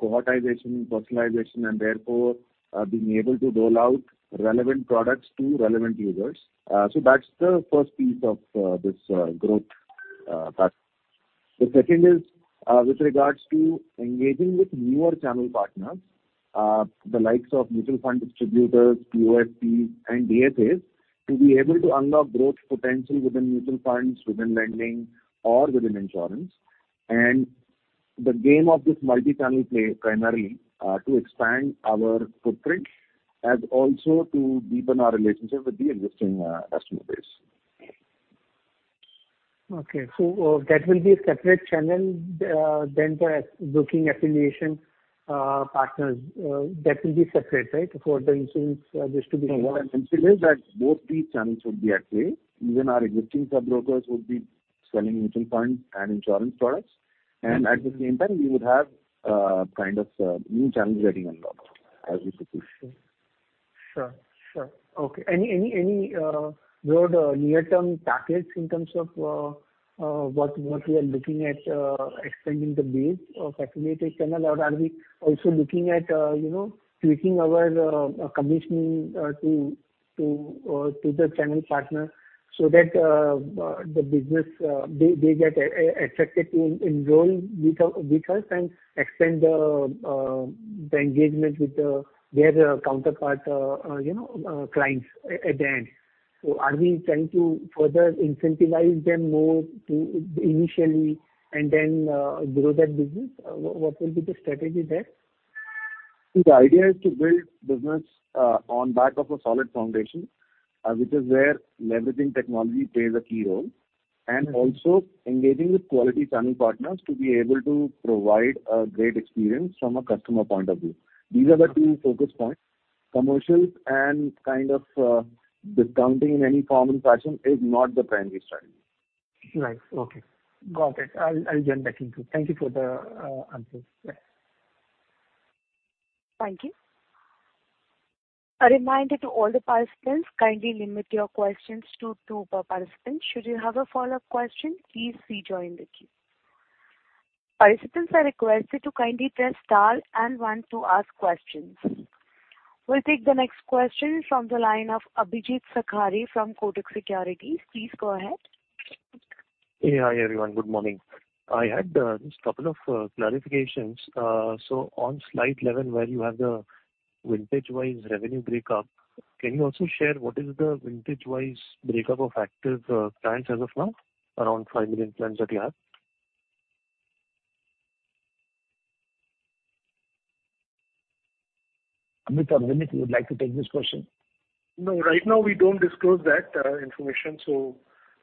cohortization, personalization, and therefore being able to roll out relevant products to relevant users. So that's the first piece of this growth path. The second is with regards to engaging with newer channel partners, the likes of mutual fund distributors, POSPs and DSAs, to be able to unlock growth potential within mutual funds, within lending or within insurance. And the game of this multi-channel play, primarily to expand our footprint and also to deepen our relationship with the existing customer base. Okay. So, that will be a separate channel than the broking affiliation? Partners, that will be separate, right? For the insurance distribution. No, our consideration is that both these channels would be at play. Even our existing sub-brokers would be selling mutual funds and insurance products. At the same time, we would have, kind of, new channels getting unlocked as we proceed. Sure, sure. Okay. Any road near-term tactics in terms of what we are looking at expanding the base of affiliated channel? Or are we also looking at, you know, tweaking our commissioning to the channel partner so that the business they get attracted to enroll with us and expand the engagement with their counterpart, you know, clients at the end? So are we trying to further incentivize them more initially and then grow that business? What will be the strategy there? The idea is to build business, on back of a solid foundation, which is where leveraging technology plays a key role, and also engaging with quality channel partners to be able to provide a great experience from a customer point of view. These are the two focus points. Commercials and kind of, discounting in any form and fashion is not the primary strategy. Right. Okay. Got it. I'll, I'll get back into it. Thank you for the answers. Yeah. Thank you. A reminder to all the participants, kindly limit your questions to two per participant. Should you have a follow-up question, please rejoin the queue. Participants are requested to kindly press star and one to ask questions. We'll take the next question from the line of Abhijeet Sakhare from Kotak Securities. Please go ahead. Yeah, hi, everyone. Good morning. I had just couple of clarifications. So on slide 11, where you have the vintage-wise revenue break up, can you also share what is the vintage-wise break up of active clients as of now, around five million clients that you have? Amit or Vineet, would like to take this question? No, right now, we don't disclose that information, so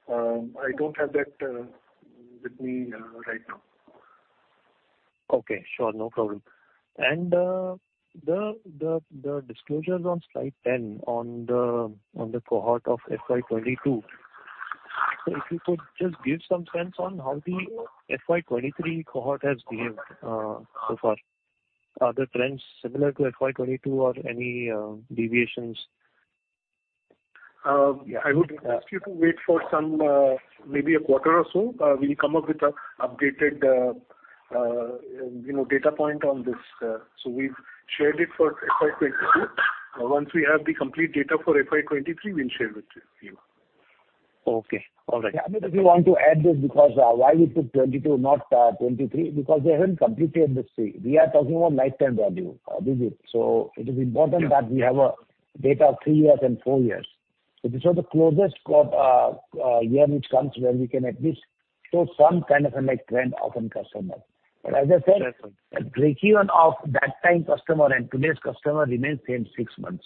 I don't have that with me right now. Okay, sure. No problem. And, the disclosures on slide 10 on the cohort of FY 2022, so if you could just give some sense on how the FY 2023 cohort has behaved so far. Are the trends similar to FY 2022 or any deviations? Yeah, I would ask you to wait for some, maybe a quarter or so. We'll come up with a updated, you know, data point on this. So we've shared it for FY 2022. Once we have the complete data for FY 2023, we'll share it with you. Okay. All right. Yeah, Amit, if you want to add this, because why we took 2022, not 2023? Because they haven't completed this three. We are talking about lifetime value, Abhijeet. So it is important that we have data of three years and four years. So these are the closest cohort year, which comes where we can at least show some kind of a, like, trend of a customer. But as I said- Right. Breakeven of that time customer and today's customer remains same, six months.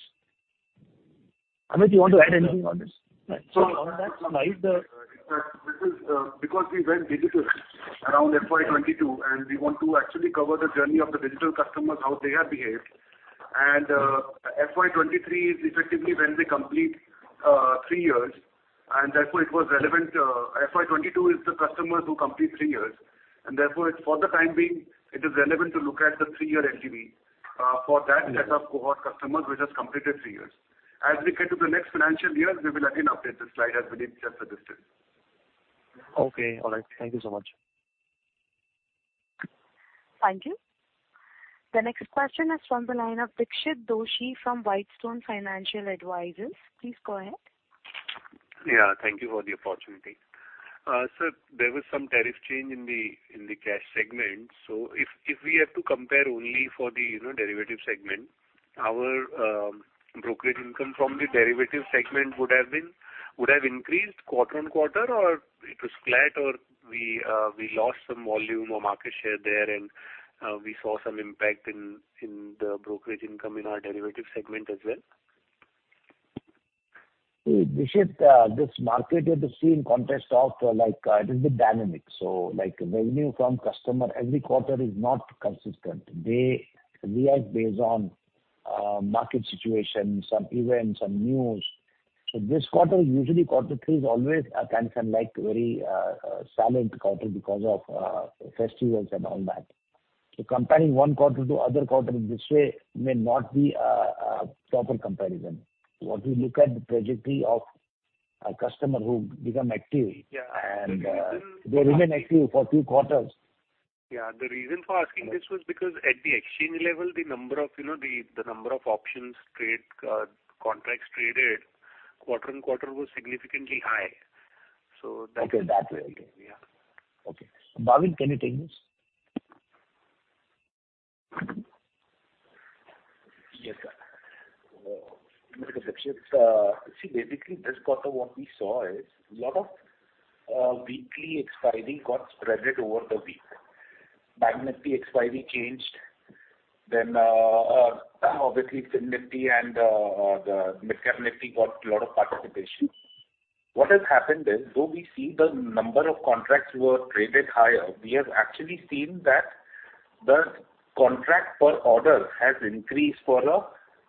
Amit, you want to add anything on this? Right. So this is, because we went digital around FY 2022, and we want to actually cover the journey of the digital customers, how they have behaved. And, FY 2023 is effectively when they complete, three years, and therefore it was relevant, FY 2022 is the customers who complete three years, and therefore, it's for the time being, it is relevant to look at the three-year LTV, for that set of cohort customers which has completed three years. As we get to the next financial year, we will again update the slide, as Vineet just suggested. Okay, all right. Thank you so much. Thank you. The next question is from the line of Dixit Doshi from Whitestone Financial Advisors. Please go ahead. Yeah, thank you for the opportunity. So there was some tariff change in the cash segment. So if we have to compare only for the you know derivative segment, our brokerage income from the derivative segment would have increased quarter-on-quarter, or it was flat, or we lost some volume or market share there and we saw some impact in the brokerage income in our derivatives segment as well? Hey, Dikshit, this market, you have to see in context of, like, it is the dynamic. So, like, revenue from customer every quarter is not consistent. They react based on, market situation, some events, some news. So this quarter, usually, Q3 is always a kind of, like, very, solid quarter because of, festivals and all that. So comparing one quarter to other quarter in this way may not be a, proper comparison. What we look at the trajectory of a customer who become active- Yeah. -and, they remain active for a few quarters. Yeah. The reason for asking this was because at the exchange level, the number of, you know, the, the number of options trade, contracts traded quarter on quarter was significantly high. So that- Okay, that way. Yeah. Okay. Bhavin, can you take this? Yes, sir. Dixit, see, basically, this quarter, what we saw is a lot of weekly expiry got spread over the week. Monday, the expiry changed, obviously, FinNifty and the Midcap Nifty got a lot of participation. What has happened is, though we see the number of contracts were traded higher, we have actually seen that the contract per order has increased for a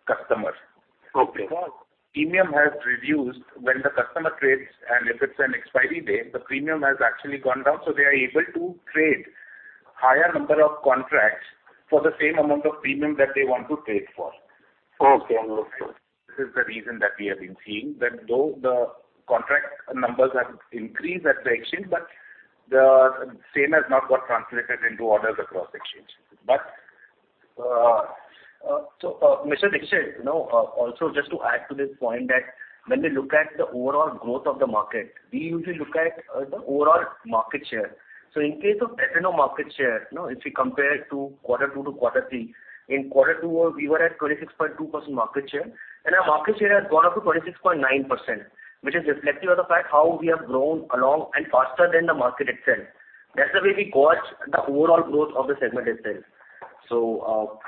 customer. Okay. Because premium has reduced when the customer trades, and if it's an expiry date, the premium has actually gone down, so they are able to trade higher number of contracts for the same amount of premium that they want to trade for. Okay, okay. This is the reason that we have been seeing, that though the contract numbers have increased at the exchange, but the same has not got translated into orders across exchanges. But, Mr. Dixit, you know, also just to add to this point, that when we look at the overall growth of the market, we usually look at the overall market share. So in case of F&O market share, you know, if we compare it to Q2 to Q3, in Q2, we were at 26.2% market share, and our market share has gone up to 26.9%, which is reflective of the fact how we have grown along and faster than the market itself. That's the way we gauge the overall growth of the segment itself. So,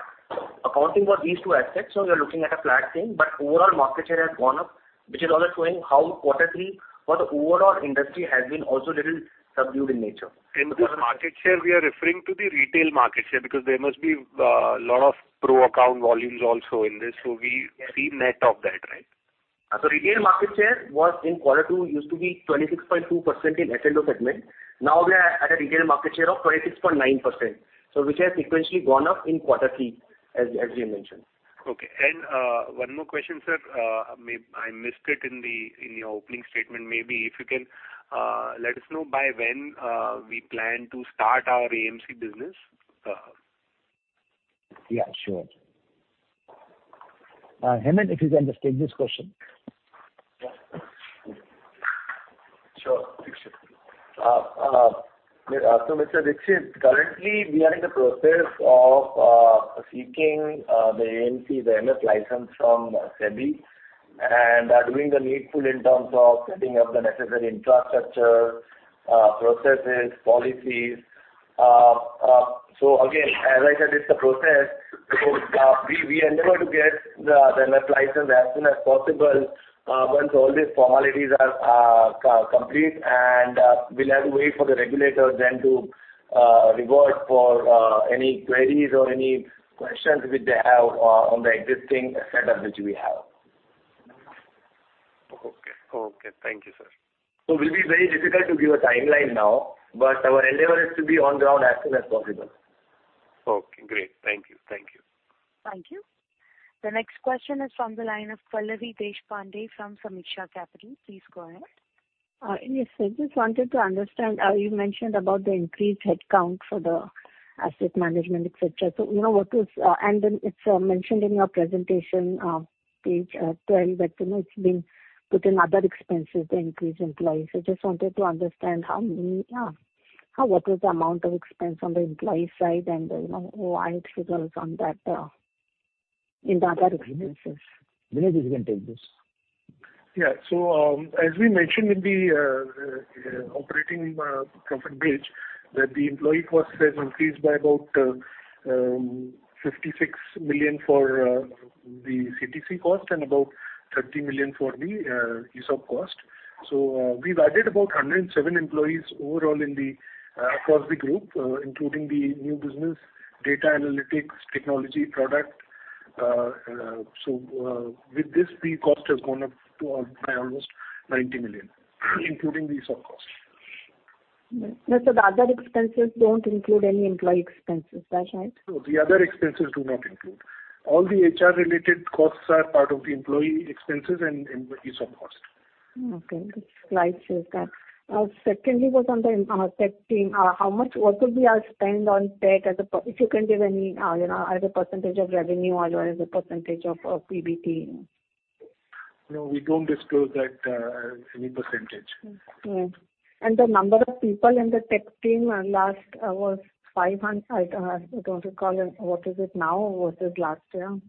accounting for these two aspects, so we are looking at a flat thing, but overall market share has gone up, which is also showing how Q3 for the overall industry has been also little subdued in nature. In this market share, we are referring to the retail market share, because there must be, a lot of pro account volumes also in this. So we see net of that, right? So, retail market share was in Q2 used to be 26.2% in equity segment. Now we are at a retail market share of 26.9%, so which has sequentially gone up in Q3, as we mentioned. Okay. One more question, sir. Maybe I missed it in the, in your opening statement. Maybe if you can let us know by when we plan to start our AMC business? Yeah, sure. Hemen, if you can take this question. Sure. So, Mr. Dixit, currently, we are in the process of seeking the AMC, the MF license from SEBI, and are doing the needful in terms of setting up the necessary infrastructure, processes, policies. So again, as I said, it's a process. So, we endeavor to get the MF license as soon as possible, once all these formalities are complete, and we'll have to wait for the regulators then to revert for any queries or any questions which they have on the existing setup which we have. Okay. Okay. Thank you, sir. Will be very difficult to give a timeline now, but our endeavor is to be on ground as soon as possible. Okay, great. Thank you. Thank you. Thank you. The next question is from the line of Pallavi Deshpande from Sameeksha Capital. Please go ahead. Yes, I just wanted to understand, you mentioned about the increased headcount for the asset management, et cetera. So you know, what is... And then it's mentioned in your presentation, page 12, but, you know, it's been put in other expenses, the increased employees. I just wanted to understand how many, how, what is the amount of expense on the employee side and, you know, why it results on that, in the other expenses? Vineet, you can take this. Yeah. So, as we mentioned in the operating profit bridge, that the employee cost has increased by about 56 million for the CTC cost and about 30 million for the ESOP cost. So, we've added about 107 employees overall in the across the group, including the new business, data analytics, technology, product. So, with this, the cost has gone up to by almost 90 million, including the ESOP cost. No, so the other expenses don't include any employee expenses, is that right? No, the other expenses do not include. All the HR-related costs are part of the employee expenses and ESOP cost. Okay, the slide shows that. Secondly, was on the tech team, how much, what would be our spend on tech as a per- if you can give any, you know, as a percentage of revenue or as a percentage of PBT? No, we don't disclose that, any percentage. Mm-hmm. And the number of people in the tech team, last, was 500. I, I don't recall. What is it now versus last year?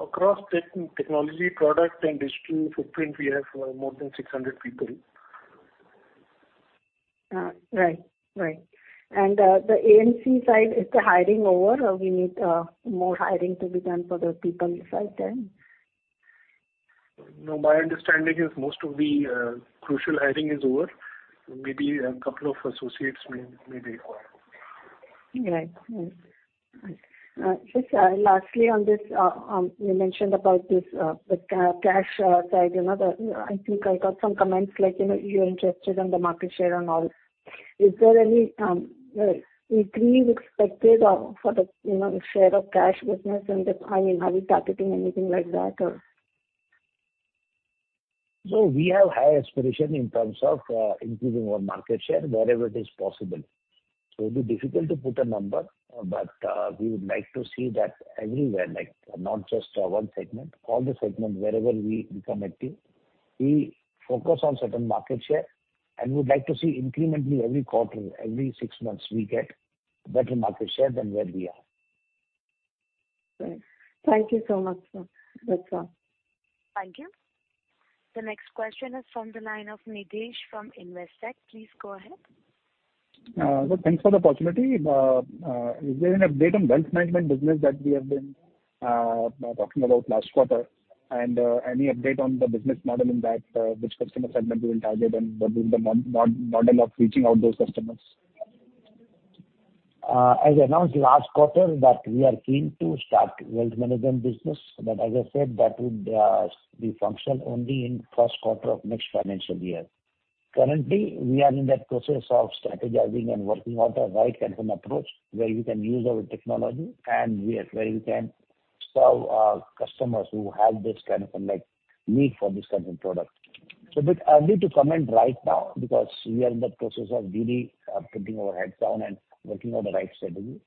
Across technology, product, and digital footprint, we have more than 600 people. Right. Right. The AMC side, is the hiring over, or we need more hiring to be done for the people side then? No, my understanding is most of the crucial hiring is over. Maybe a couple of associates may be required. Right. Mm-hmm. Just lastly on this, you mentioned about this, the cash side, you know, the... I think I got some comments like, you know, you're interested in the market share and all. Is there any increase expected for the, you know, share of cash business and the... I mean, are we targeting anything like that or? So we have high aspiration in terms of, increasing our market share wherever it is possible. So it'll be difficult to put a number, but, we would like to see that everywhere, like, not just, one segment. All the segments, wherever we become active, we focus on certain market share, and we'd like to see incrementally every quarter, every six months, we get better market share than where we are. Right. Thank you so much, sir. That's all. Thank you. The next question is from the line of Nidhesh from Investec. Please go ahead. Well, thanks for the opportunity. Is there an update on wealth management business that we have been talking about last quarter? And any update on the business model in that, which customer segment we will target, and what will the model of reaching out those customers? I announced last quarter that we are keen to start wealth management business. But as I said, that would be functional only in first quarter of next financial year. Currently, we are in the process of strategizing and working out the right kind of an approach, where we can use our technology, and where, where we can serve our customers who have this kind of, like, need for this kind of product. It's a bit early to comment right now, because we are in the process of really putting our heads down and working on the right strategy.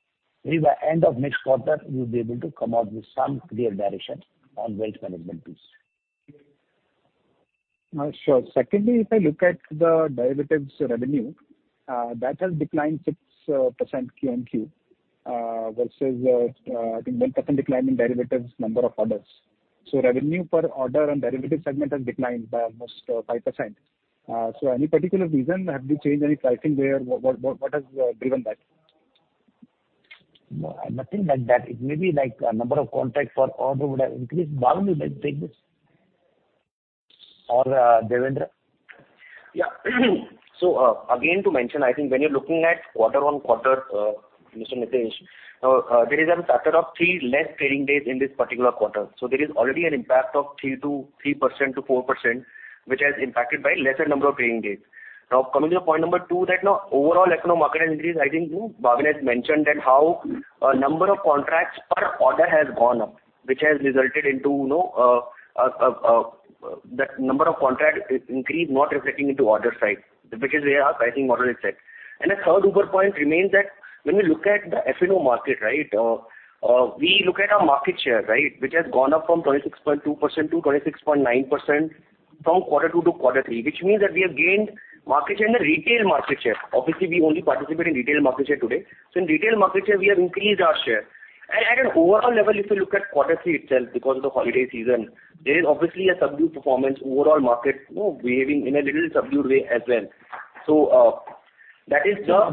Maybe by end of next quarter, we'll be able to come out with some clear direction on wealth management piece. Sure. Secondly, if I look at the derivatives revenue, that has declined 6% QMQ, versus, I think 1% decline in derivatives number of orders. So revenue per order and derivative segment has declined by almost 5%. Any particular reason? Have you changed any pricing there? What has driven that? No, nothing like that. It may be, like, a number of contracts per order would have increased. Bhavin, do you take this? Or, Devendra. Yeah. So, again, to mention, I think when you're looking at quarter-over-quarter, Mr. Nishant, there is a factor of three less trading days in this particular quarter. So there is already an impact of 3%-4%, which has impacted by lesser number of trading days. Now, coming to point number two, that now overall F&O market increase, I think Bhavin has mentioned that how, number of contracts per order has gone up, which has resulted into, you know, the number of contract increase not reflecting into order side, because we are pricing model itself. And the third important point remains that when we look at the F&O market, right, we look at our market share, right? Which has gone up from 26.2% to 26.9%, from Q2 to Q3. Which means that we have gained market share in the retail market share. Obviously, we only participate in retail market share today. So in retail market share, we have increased our share. And at an overall level, if you look at Q3 itself, because of the holiday season, there is obviously a subdued performance. Overall market, you know, behaving in a little subdued way as well. So, that is the-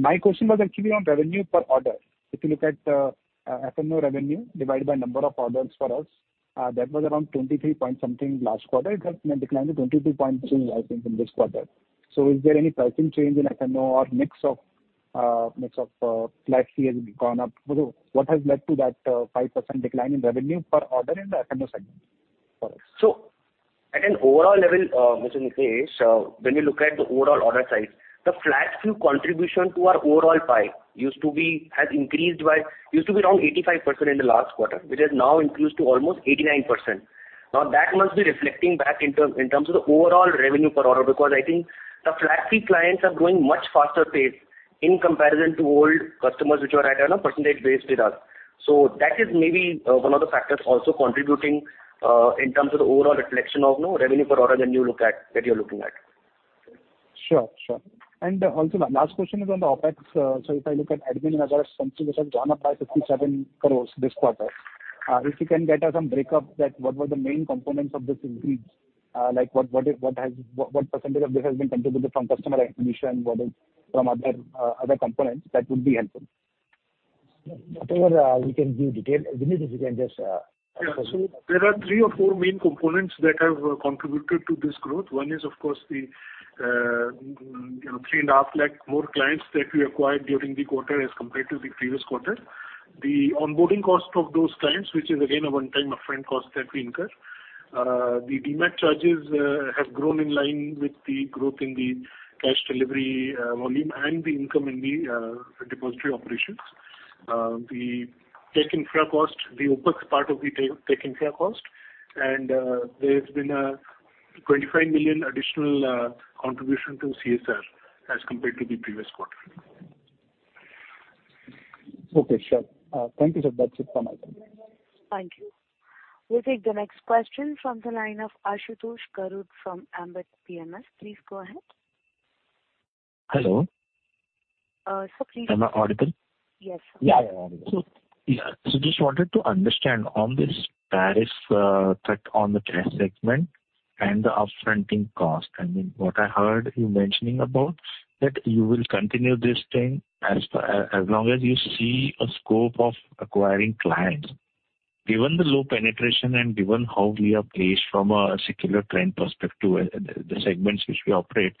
My question was actually on revenue per order. If you look at F&O revenue divided by number of orders for us, that was around 23 point something last quarter. It has now declined to 22.2, I think, in this quarter. So is there any pricing change in F&O or mix of flat fee has gone up? So what has led to that 5% decline in revenue per order in the F&O segment for us? So at an overall level, Mr. Nishant, when you look at the overall order size, the flat fee contribution to our overall pie used to be around 85% in the last quarter, which has now increased to almost 89%. Now, that must be reflecting back in terms of the overall revenue per order, because I think the flat fee clients are growing much faster pace in comparison to old customers, which were at a percentage base with us. So that is maybe one of the factors also contributing in terms of the overall reflection of, you know, revenue per order when you look at that you're looking at. Sure, sure. Also, my last question is on the OpEx. So if I look at admin and other expenses, which have gone up by 57 crore this quarter, if you can get us some break-up that what were the main components of this increase? Like, what percentage of this has been contributed from customer acquisition? What is from other components? That would be helpful. Whatever, we can give detail, Vineet, if you can just assist. Yeah. So there are three or four main components that have contributed to this growth. One is, of course, the, you know, 3.5 lakh more clients that we acquired during the quarter as compared to the previous quarter. The onboarding cost of those clients, which is again, a one-time upfront cost that we incur. The Demat charges have grown in line with the growth in the cash delivery volume and the income in the depository operations. The tech infra cost, the OpEx part of the tech infra cost. And, there's been an 25 million additional contribution to CSR as compared to the previous quarter. Okay, sure. Thank you, sir. That's it from my side. Thank you. We'll take the next question from the line of Ashutosh Garud from Ambit Global. Please go ahead. Hello. sir, please- Am I audible? Yes. Yeah, yeah, audible. Please. Yeah. So just wanted to understand on this tariff effect on the cash segment and the upfronting cost. I mean, what I heard you mentioning about, that you will continue this thing as far as long as you see a scope of acquiring clients. Given the low penetration and given how we are placed from a secular trend perspective, the segments which we operate,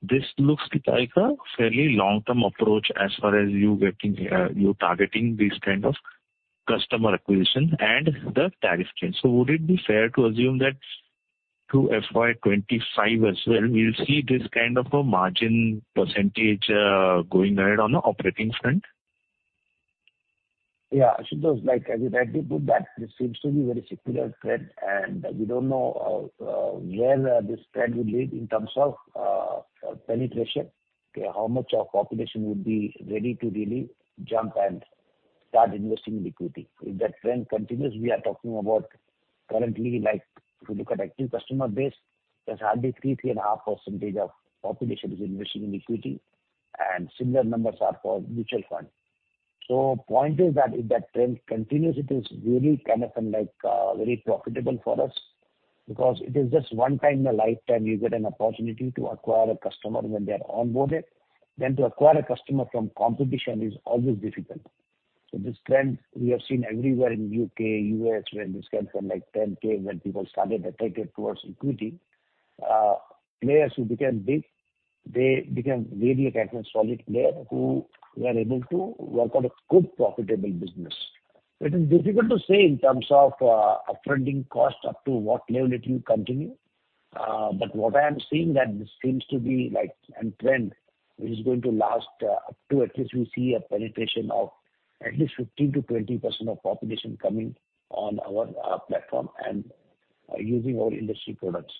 this looks like a fairly long-term approach as far as you getting you targeting these kind of customer acquisition and the tariff change. So would it be fair to assume that through FY 2025 as well, we'll see this kind of a margin percentage going ahead on the operating front? Yeah, Ashutosh, like, as I rightly put, that this seems to be very secular trend, and we don't know where this trend will lead in terms of penetration. How much of population would be ready to really jump and start investing in equity? If that trend continues, we are talking about currently, like, if you look at active customer base, there's hardly 3%-3.5% of population is investing in equity... and similar numbers are for mutual fund. So point is that if that trend continues, it is really kind of like very profitable for us, because it is just one time in a lifetime you get an opportunity to acquire a customer when they are onboarded, then to acquire a customer from competition is always difficult. So this trend we have seen everywhere in U.K., U.S., where this can come, like, 10,000, when people started attracted towards equity, players who became big, they became really a kind of solid player who were able to work out a good profitable business. It is difficult to say in terms of, upfront cost, up to what level it will continue. But what I am seeing that this seems to be like a trend, which is going to last, up to at least we see a penetration of at least 15%-20% of population coming on our platform and using our industry products.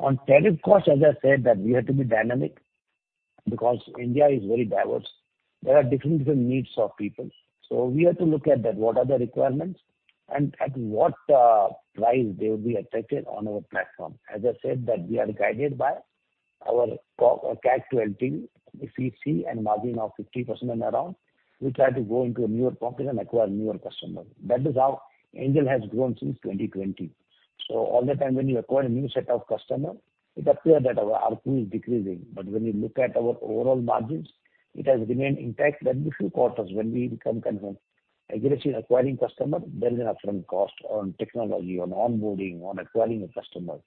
On tariff costs, as I said, that we have to be dynamic because India is very diverse. There are different, different needs of people, so we have to look at that, what are the requirements and at what price they will be attracted on our platform. As I said, that we are guided by our CAC to LTV, CC and margin of 50% and around. We try to go into a newer pocket and acquire newer customers. That is how Angel has grown since 2020. So all the time, when you acquire a new set of customer, it appears that our ARPU is decreasing. But when you look at our overall margins, it has remained intact. That means few quarters when we become confirmed. Aggressively acquiring customer, there is an upfront cost on technology, on onboarding, on acquiring a customer.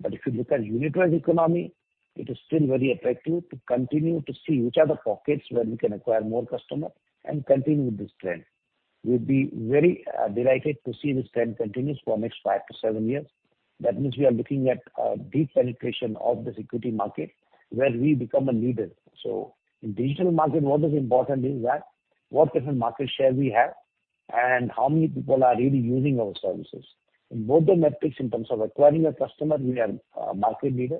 But if you look at unit economics, it is still very effective to continue to see which are the pockets where we can acquire more customer and continue with this trend. We'll be very delighted to see this trend continues for next five to seven years. That means we are looking at a deep penetration of this equity market where we become a leader. So in digital market, what is important is that what different market share we have and how many people are really using our services. In both the metrics, in terms of acquiring a customer, we are market leader.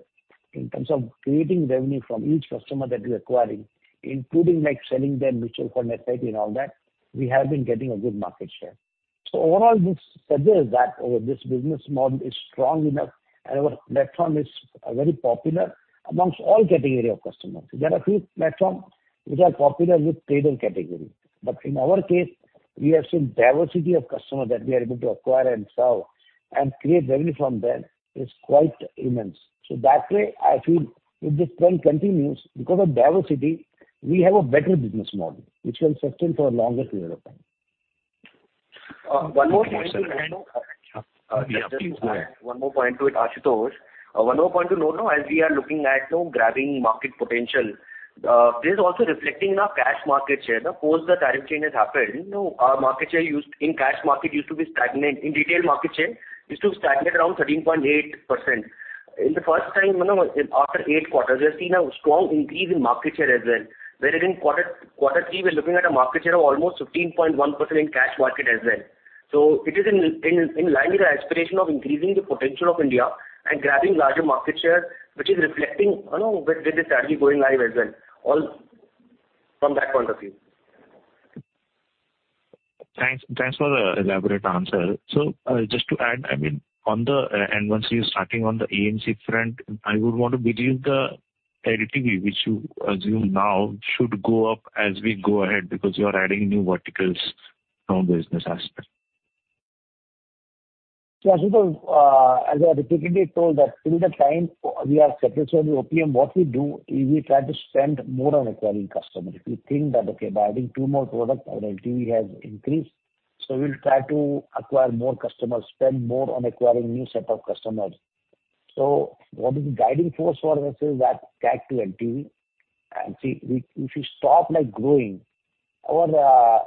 In terms of creating revenue from each customer that we're acquiring, including, like, selling them mutual fund, SIP and all that, we have been getting a good market share. Overall, this suggests that this business model is strong enough and our platform is very popular among all category of customers. There are a few platforms which are popular with trader category, but in our case, we have seen diversity of customers that we are able to acquire and serve, and create revenue from them is quite immense. That way, I feel if this trend continues, because of diversity, we have a better business model which will sustain for a longer period of time. One more point, and one more point to it, Ashutosh. One more point to note, though, as we are looking at, you know, grabbing market potential, this is also reflecting in our cash market share. Post the tariff change has happened, you know, our market share used-- in cash market used to be stagnant. In retail, market share used to stagnant around 13.8%. In the first time, you know, after eight quarters, we have seen a strong increase in market share as well, where in Q3, we're looking at a market share of almost 15.1% in cash market as well. So it is in, in, in line with the aspiration of increasing the potential of India and grabbing larger market share, which is reflecting, you know, with, with the strategy going live as well, all from that point of view. Thanks. Thanks for the elaborate answer. So, just to add, I mean, on the and once you're starting on the AMC front, I would want to believe the LTV which you assume now should go up as we go ahead, because you are adding new verticals from business aspect. Yeah, Ashutosh, as I repeatedly told that through the time we are successful in the OPM, what we do is we try to spend more on acquiring customers. If we think that, okay, by adding two more products, our LTV has increased, so we'll try to acquire more customers, spend more on acquiring new set of customers. So what is the guiding force for us is that CAC to LTV. And see, if you stop, like, growing, our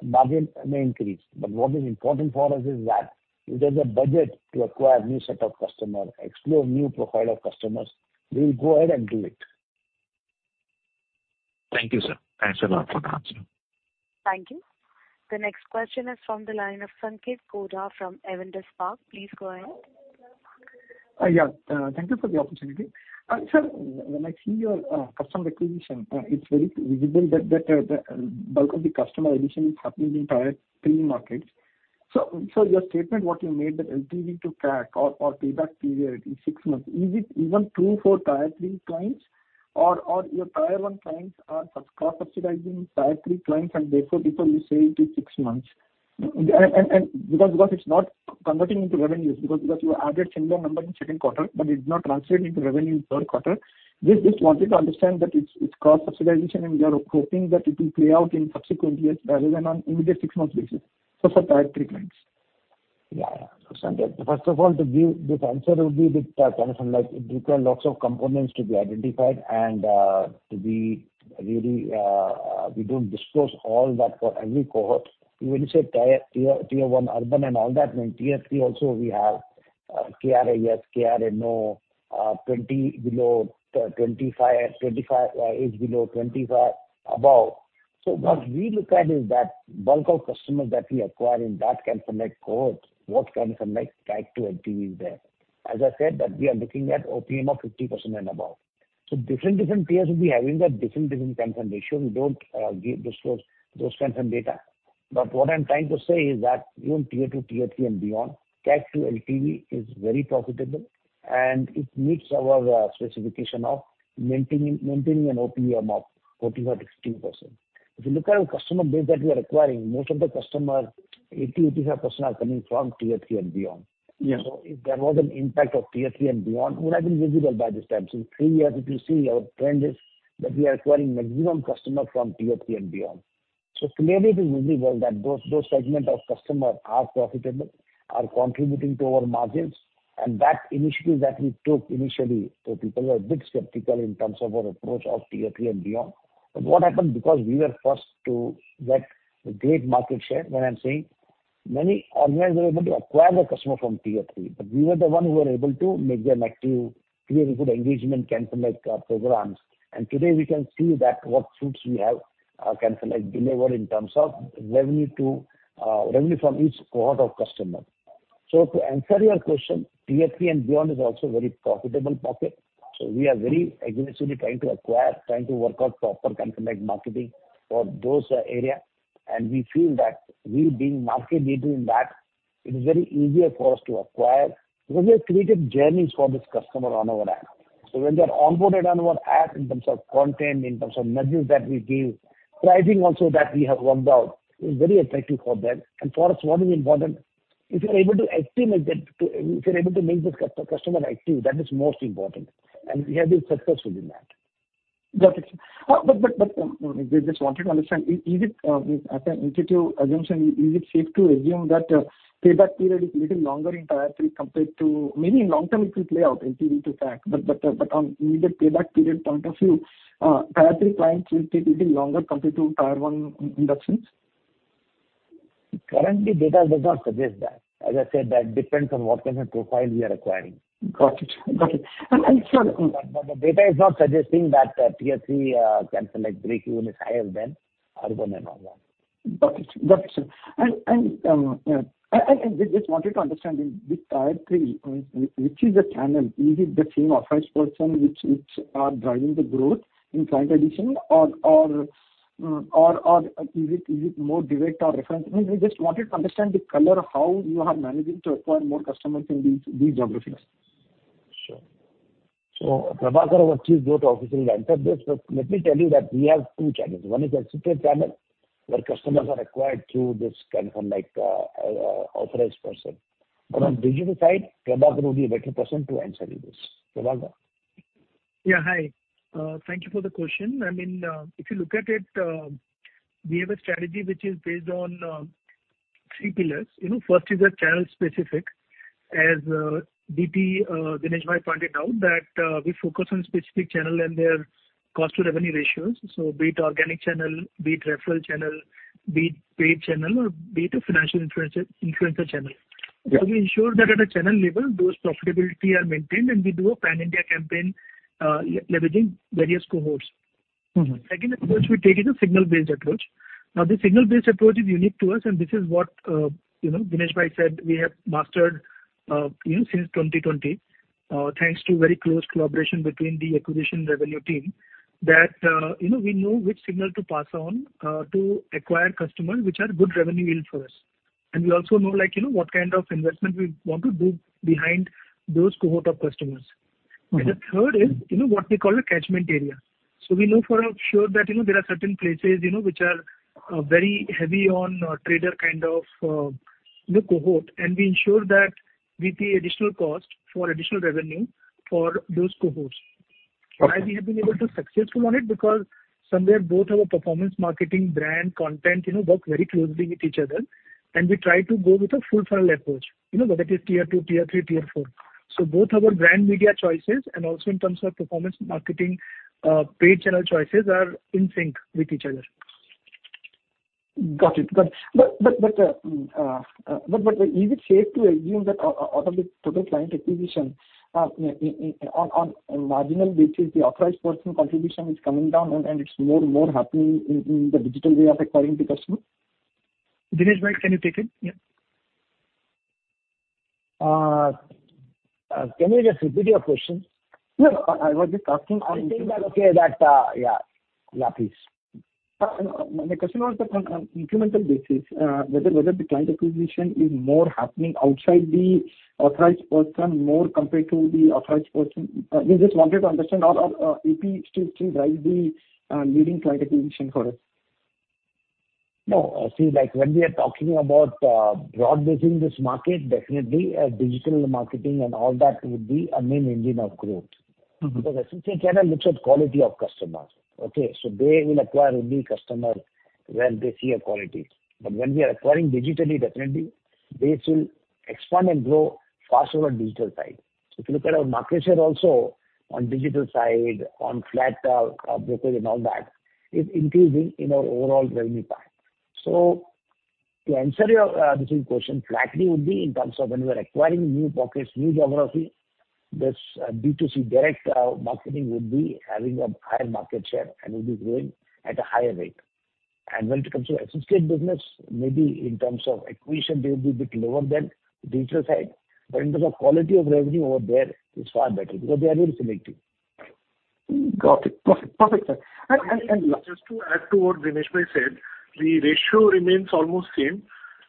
margin may increase. But what is important for us is that if there's a budget to acquire a new set of customers, explore new profile of customers, we'll go ahead and do it. Thank you, sir. Thanks a lot for the answer. Thank you. The next question is from the line of Sanketh Godha from Avendus Spark. Please go ahead. Yeah, thank you for the opportunity. Sir, when I see your customer acquisition, it's very visible that the bulk of the customer addition is happening in tier three markets. So your statement, what you made, that LTV to CAC or payback period in six months, is it even true for tier three clients? Or your tier one clients are cross-subsidizing tier three clients and therefore you say it is six months? And because it's not converting into revenues, because you added similar number in Q2, but it's not translating into revenue in Q3. Just wanted to understand that it's cross-subsidization, and we are hoping that it will play out in subsequent years rather than on immediate six months basis so for tier three clients. Yeah, yeah. First of all, to give the answer would be the kind of like... it require lots of components to be identified and, to be really, we don't disclose all that for every cohort. Even you say tier, tier, tier one, urban and all that, mean tier three also we have, [KRIS, KRNO], 20 below 25, 25, age below 25, above. So what we look at is that bulk of customers that we acquire in that kind of like cohort, what kind of like CAC to LTV is there? As I said, that we are looking at OPM of 50% and above. So different, different tiers will be having that different, different kind of ratio. We don't disclose those kinds of data. But what I'm trying to say is that even tier two, tier three, and beyond, CAC to LTV is very profitable, and it meets our specification of maintaining, maintaining an OPM of 45%-60%. If you look at our customer base that we are acquiring, most of the customer, 80%-85%, are coming from tier three and beyond. Yeah. So if there was an impact of tier three and beyond, it would have been visible by this time. So in three years, if you see, our trend is that we are acquiring maximum customer from tier three and beyond. So clearly, it is visible that those segment of customer are profitable, are contributing to our margins, and that initiative that we took initially, so people were a bit skeptical in terms of our approach of tier three and beyond. But what happened? Because we were first to get a great market share. When I'm saying many organizers were able to acquire the customer from tier three, but we were the ones who were able to make them active, create a good engagement, cancel out programs. And today, we can see that what fruits we have canceled, like, delivered in terms of revenue to... Revenue from each cohort of customer. So to answer your question, tier three and beyond is also very profitable pocket. So we are very aggressively trying to acquire, trying to work out proper customer marketing for those, area. And we feel that we being market leader in that, it is very easier for us to acquire. We have created journeys for this customer on our app. So when they are onboarded on our app, in terms of content, in terms of messages that we give, pricing also that we have worked out, is very attractive for them. And for us, what is important, if you're able to activate them, if you're able to make this customer active, that is most important, and we have been successful in that. Got it. But I just wanted to understand, is it as an intuitive assumption, is it safe to assume that payback period is a little longer in tier three compared to... Maybe in long term it will play out, LTV to CAC, but on immediate payback period point of view, tier three clients will take a little longer compared to tier one inductions? Currently, data does not suggest that. As I said, that depends on what kind of profile we are acquiring. Got it. Got it. And... The data is not suggesting that, tier three, cancel like three units higher than urban and all that. Got it. Got it. And I just wanted to understand in with tier three, which is the channel? Is it the same authorized person which are driving the growth in client acquisition or is it more direct or reference? I just wanted to understand the color, how you are managing to acquire more customers in these geographies. Sure. So Prabhakar is actually go to officially answer this, but let me tell you that we have two channels. One is associate channel, where customers are acquired through this kind of like, authorized person. But on digital side, Prabhakar will be a better person to answer you this. Prabhakar? Yeah, hi. Thank you for the question. I mean, if you look at it, we have a strategy which is based on three pillars. You know, first is the channel specific, as, Dinesh Bhai pointed out, that we focus on specific channel and their cost to revenue ratios. So be it organic channel, be it referral channel, be it paid channel or be it a financial influencer, influencer channel. Yeah. So we ensure that at a channel level, those profitability are maintained, and we do a pan-India campaign, leveraging various cohorts. Mm-hmm. Second approach we take is a signal-based approach. Now, this signal-based approach is unique to us, and this is what, you know, Dinesh Bhai said, we have mastered, you know, since 2020, thanks to very close collaboration between the acquisition revenue team, that, you know, we know which signal to pass on, to acquire customers, which are good revenue yield for us. And we also know, like, you know, what kind of investment we want to do behind those cohort of customers. Mm-hmm. The third is, you know, what we call a catchment area. We know for sure that, you know, there are certain places, you know, which are very heavy on trader kind of the cohort, and we ensure that we pay additional cost for additional revenue for those cohorts. Right. Why we have been able to successful on it? Because somewhere both our performance marketing, brand, content, you know, work very closely with each other, and we try to go with a full funnel approach. You know, whether it is tier two, tier three, tier four. So both our brand media choices and also in terms of performance marketing, paid channel choices, are in sync with each other. Got it. But is it safe to assume that out of the total client acquisition, on a marginal basis, the authorized person contribution is coming down and it's more happening in the digital way of acquiring the customer? Dinesh Bhai, can you take it? Yeah. Can you just repeat your question? No, I was just asking- I think that, okay, that... Yeah. Yeah, please. My question was that on incremental basis, whether the client acquisition is more happening outside the authorized person, more compared to the authorized person. We just wanted to understand or AP still drives the leading client acquisition for us. No, see, like, when we are talking about broad basing this market, definitely digital marketing and all that would be a main engine of growth. Mm-hmm. Because associate channel looks at quality of customers, okay? So they will acquire only customer where they see a quality. But when we are acquiring digitally, definitely, this will expand and grow faster on digital side. If you look at our market share also on digital side, on flat, brokerage, and all that, is increasing in our overall revenue pack. So to answer your, this question, flatly would be in terms of when we are acquiring new pockets, new geography, this B2C direct, marketing would be having a higher market share and will be growing at a higher rate. And when it comes to associate business, maybe in terms of acquisition, they will be a bit lower than the digital side, but in terms of quality of revenue over there, it's far better, because they are very selective.... Got it. Perfect, perfect, sir. And... Just to add to what Dinesh Bhai said, the ratio remains almost same.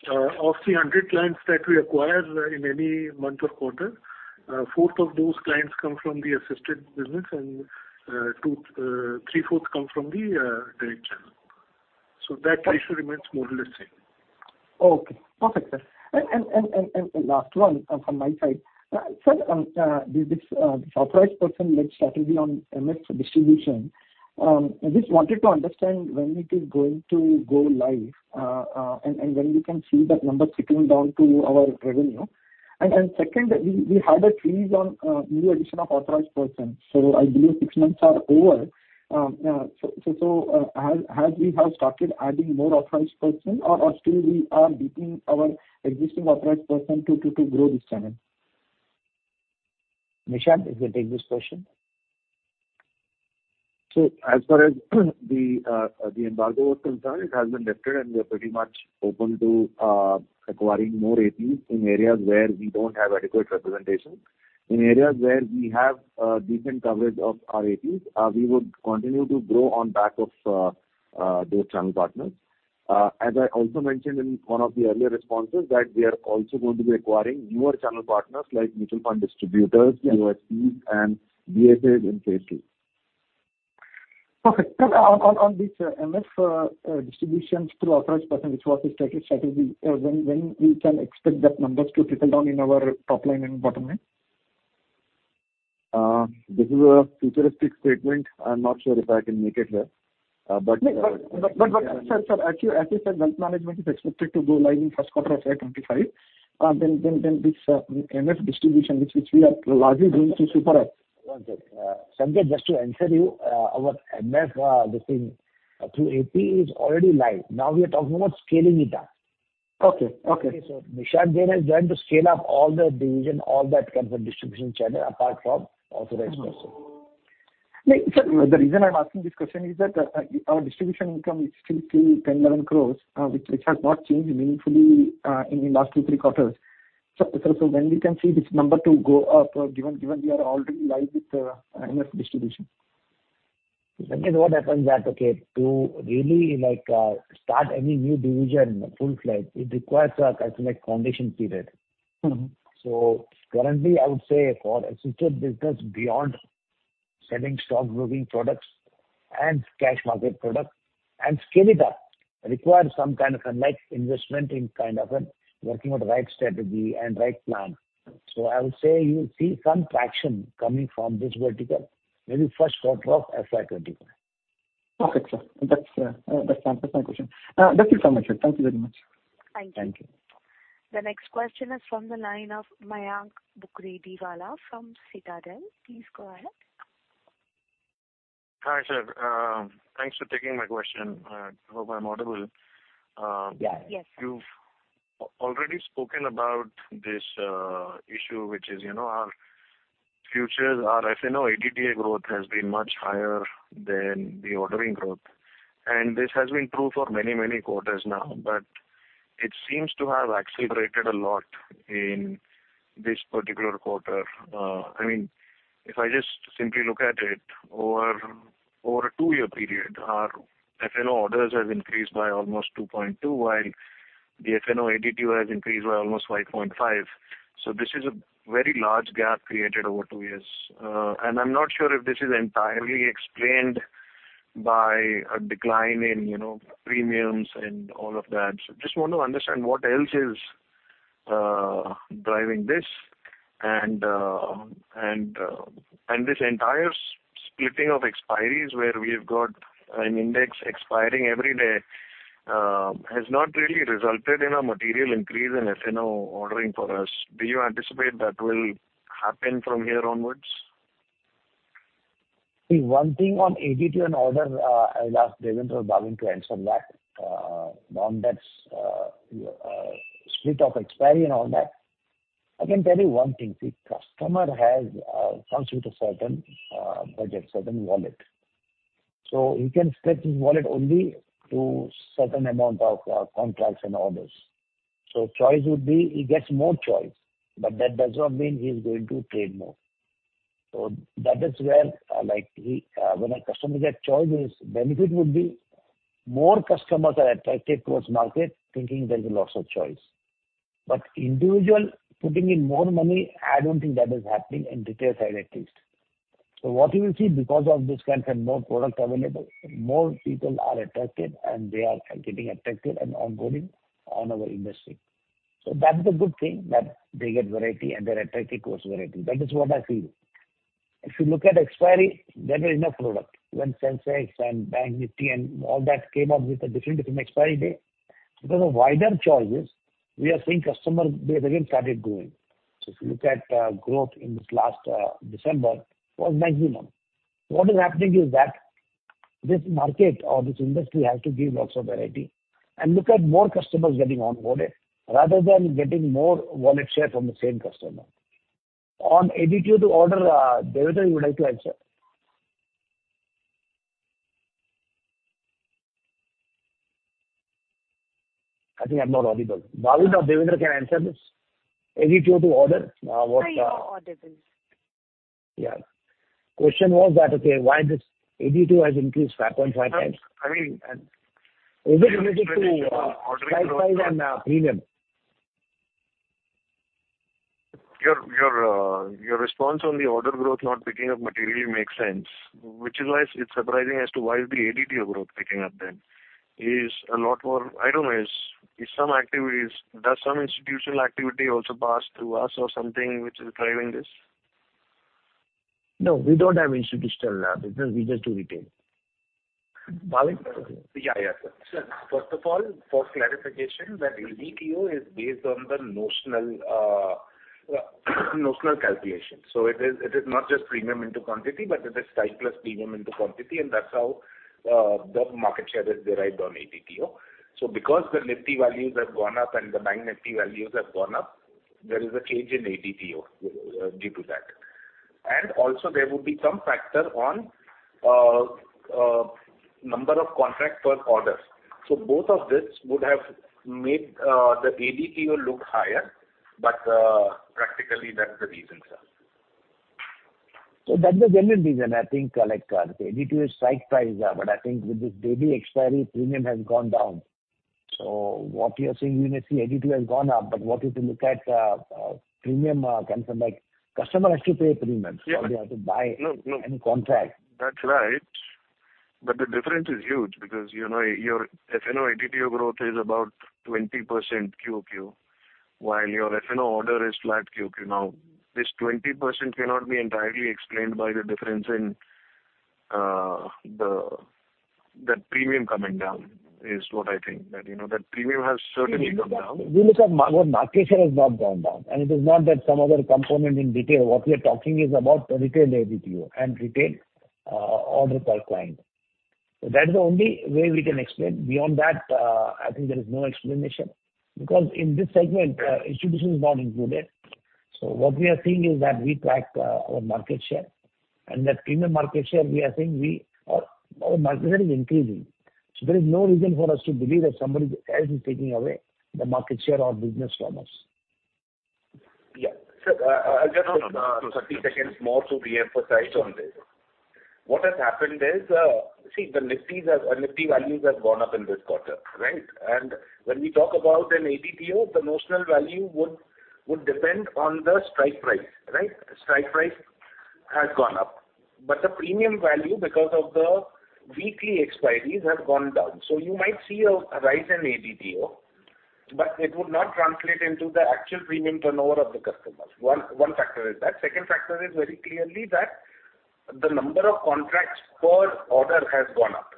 Of the 100 clients that we acquire in any month or quarter, fourth of those clients come from the assisted business and, two, three-fourths come from the direct channel. So that ratio remains more or less same. Okay, perfect, sir. And last one from my side. Sir, this authorized person-led strategy on MF distribution, I just wanted to understand when it is going to go live, and when we can see that number trickling down to our revenue? And second, we had a freeze on new addition of authorized persons, so I believe six months are over. So have we started adding more authorized person or still we are beating our existing authorized person to grow this channel? Nishant, you can take this question. As far as the embargo is concerned, it has been lifted, and we are pretty much open to acquiring more APs in areas where we don't have adequate representation. In areas where we have decent coverage of our APs, we would continue to grow on back of those channel partners. As I also mentioned in one of the earlier responses, that we are also going to be acquiring newer channel partners like mutual fund distributors- Yes. POSPs and DSAs in phase two. Perfect. Sir, on this MF, distributions through authorized person, which was the strategy, when we can expect that numbers to trickle down in our top line and bottom line? This is a futuristic statement. I'm not sure if I can make it here. But- Sir, as your asset management is expected to go live in first quarter of FY 2025, then this MF distribution, which we are largely going to soup up. One second. Sanjay, just to answer you, our MF listing through AP is already live. Now we are talking about scaling it up. Okay. Okay. Nishant, they are going to scale up all the division, all that kind of distribution channel, apart from Authorized Person. Sir, the reason I'm asking this question is that, our distribution income is still 10-11 crore, which, which has not changed meaningfully, in the last two to three quarters. So, so, so when we can see this number to go up, given, given we are already live with, MF distribution? Sanjay, what happens is that, okay, to really, like, start any new division full-fledged, it requires a, like, foundation period. Mm-hmm. So currently, I would say for assisted business beyond selling stock broking products and cash market products, and scale it up, requires some kind of a, like, investment in kind of a working out the right strategy and right plan. So I would say you'll see some traction coming from this vertical, maybe first quarter of FY 2025. Perfect, sir. That answers my question. That's it from my side. Thank you very much. Thank you. Thank you. The next question is from the line of Mayank Bukrediwala from Citadel. Please go ahead. Hi, sir. Thanks for taking my question. I hope I'm audible. Yeah. Yes. You've already spoken about this, issue, which is, you know, our futures, our FNO ADTO growth has been much higher than the ordering growth. And this has been true for many, many quarters now, but it seems to have accelerated a lot in this particular quarter. I mean, if I just simply look at it, over a two-year period, our FNO orders have increased by almost 2.2, while the FNO ADTO has increased by almost 5.5. So this is a very large gap created over two years. And I'm not sure if this is entirely explained by a decline in, you know, premiums and all of that. So just want to understand what else is driving this. And this entire splitting of expiries, where we've got an index expiring every day, has not really resulted in a material increase in FNO ordering for us. Do you anticipate that will happen from here onwards? See, one thing on ADTO and orders, I'll ask Devendra or Bhavin to answer that. On that split of expiry and all that, I can tell you one thing. See, customer has comes with a certain budget, certain wallet. So he can stretch his wallet only to certain amount of contracts and orders. So choice would be, he gets more choice, but that does not mean he's going to trade more. So that is where, like, when a customer get choice, his benefit would be more customers are attracted towards market, thinking there's lots of choice. But individual putting in more money, I don't think that is happening in retail side at least. So what you will see because of this kind of more product available, more people are attracted, and they are getting attracted and onboarding on our industry. So that is a good thing, that they get variety and they're attracted towards variety. That is what I feel. If you look at expiry, there is no product. When Sensex and Bank Nifty and all that came up with a different, different expiry day, because of wider choices, we are seeing customer base again started growing. So if you look at, growth in this last, December, it was maximum. What is happening is that this market or this industry has to give lots of variety and look at more customers getting onboarded, rather than getting more wallet share from the same customer. On ADTO to order, Devendra, you would like to answer? I think I'm not audible. Bhavin or Devendra can answer this. ADTO to order, what, I hear you audible. Yeah. Question was that, okay, why this ADTO has increased 5.5x? I mean. Is it related to strike price and premium? Your response on the order growth not picking up materially makes sense, which is why it's surprising as to why is the ADTO growth picking up then. Is a lot more, I don't know, is some activities. Does some institutional activity also pass through us or something which is driving this? No, we don't have institutional, because we just do retail. Bhavin? Yeah, yeah, sir. First of all, for clarification, that ADTO is based on the notional, notional calculation. So it is, it is not just premium into quantity, but it is strike plus premium into quantity, and that's how, the market share is derived on ADTO. So because the Nifty values have gone up and the Bank Nifty values have gone up, there is a change in ADTO, due to that. And also there would be some factor on, number of contract per orders. So both of this would have made, the ADTO look higher, but, practically, that's the reason, sir. So that's the general reason, I think, like, ADTO is strike price, but I think with this daily expiry, premium has gone down. So what we are seeing, we may see ADTO has gone up, but what if you look at, premium, come from, like, customer has to pay premium- Yeah. So they have to buy any contract. No, no, that's right. But the difference is huge because, you know, your FNO ADTO growth is about 20% QoQ, while your FNO order is flat QoQ. Now, this 20% cannot be entirely explained by the difference in the premium coming down, is what I think. That, you know, that premium has certainly come down. We look at our market share has not gone down, and it is not that some other component in detail. What we are talking is about retail ADTO and retail, order per client. So that is the only way we can explain. Beyond that, I think there is no explanation, because in this segment, institution is not included. So what we are seeing is that we track, our market share, and that in the market share, we are seeing we are... Our market share is increasing. So there is no reason for us to believe that somebody else is taking away the market share or business from us. Yeah. Sir, I'll just take 30 seconds more to reemphasize on this. What has happened is, see, the Niftys have, Nifty values have gone up in this quarter, right? And when we talk about an ADTO, the notional value would depend on the strike price, right? Strike price has gone up. But the premium value, because of the weekly expiries, has gone down. So you might see a rise in ADTO, but it would not translate into the actual premium turnover of the customers. One factor is that. Second factor is very clearly that the number of contracts per order has gone up.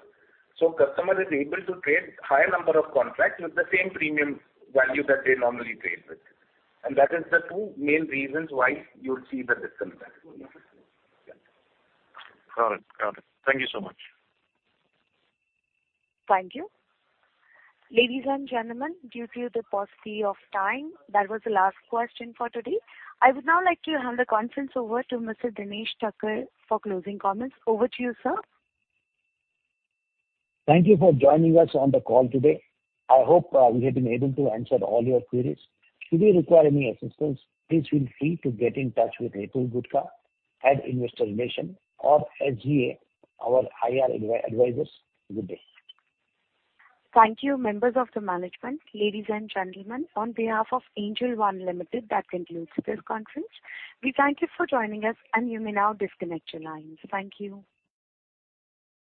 So customer is able to trade higher number of contracts with the same premium value that they normally trade with. And that is the two main reasons why you'll see the difference. Got it. Got it. Thank you so much. Thank you. Ladies and gentlemen, due to the paucity of time, that was the last question for today. I would now like to hand the conference over to Mr. Dinesh Thakkar for closing comments. Over to you, sir. Thank you for joining us on the call today. I hope we have been able to answer all your queries. Should you require any assistance, please feel free to get in touch with Hitul Gutka, Head of Investor Relations, or SGA, our IR advisors. Good day. Thank you, members of the management. Ladies and gentlemen, on behalf of Angel One Limited, that concludes this conference. We thank you for joining us, and you may now disconnect your lines. Thank you.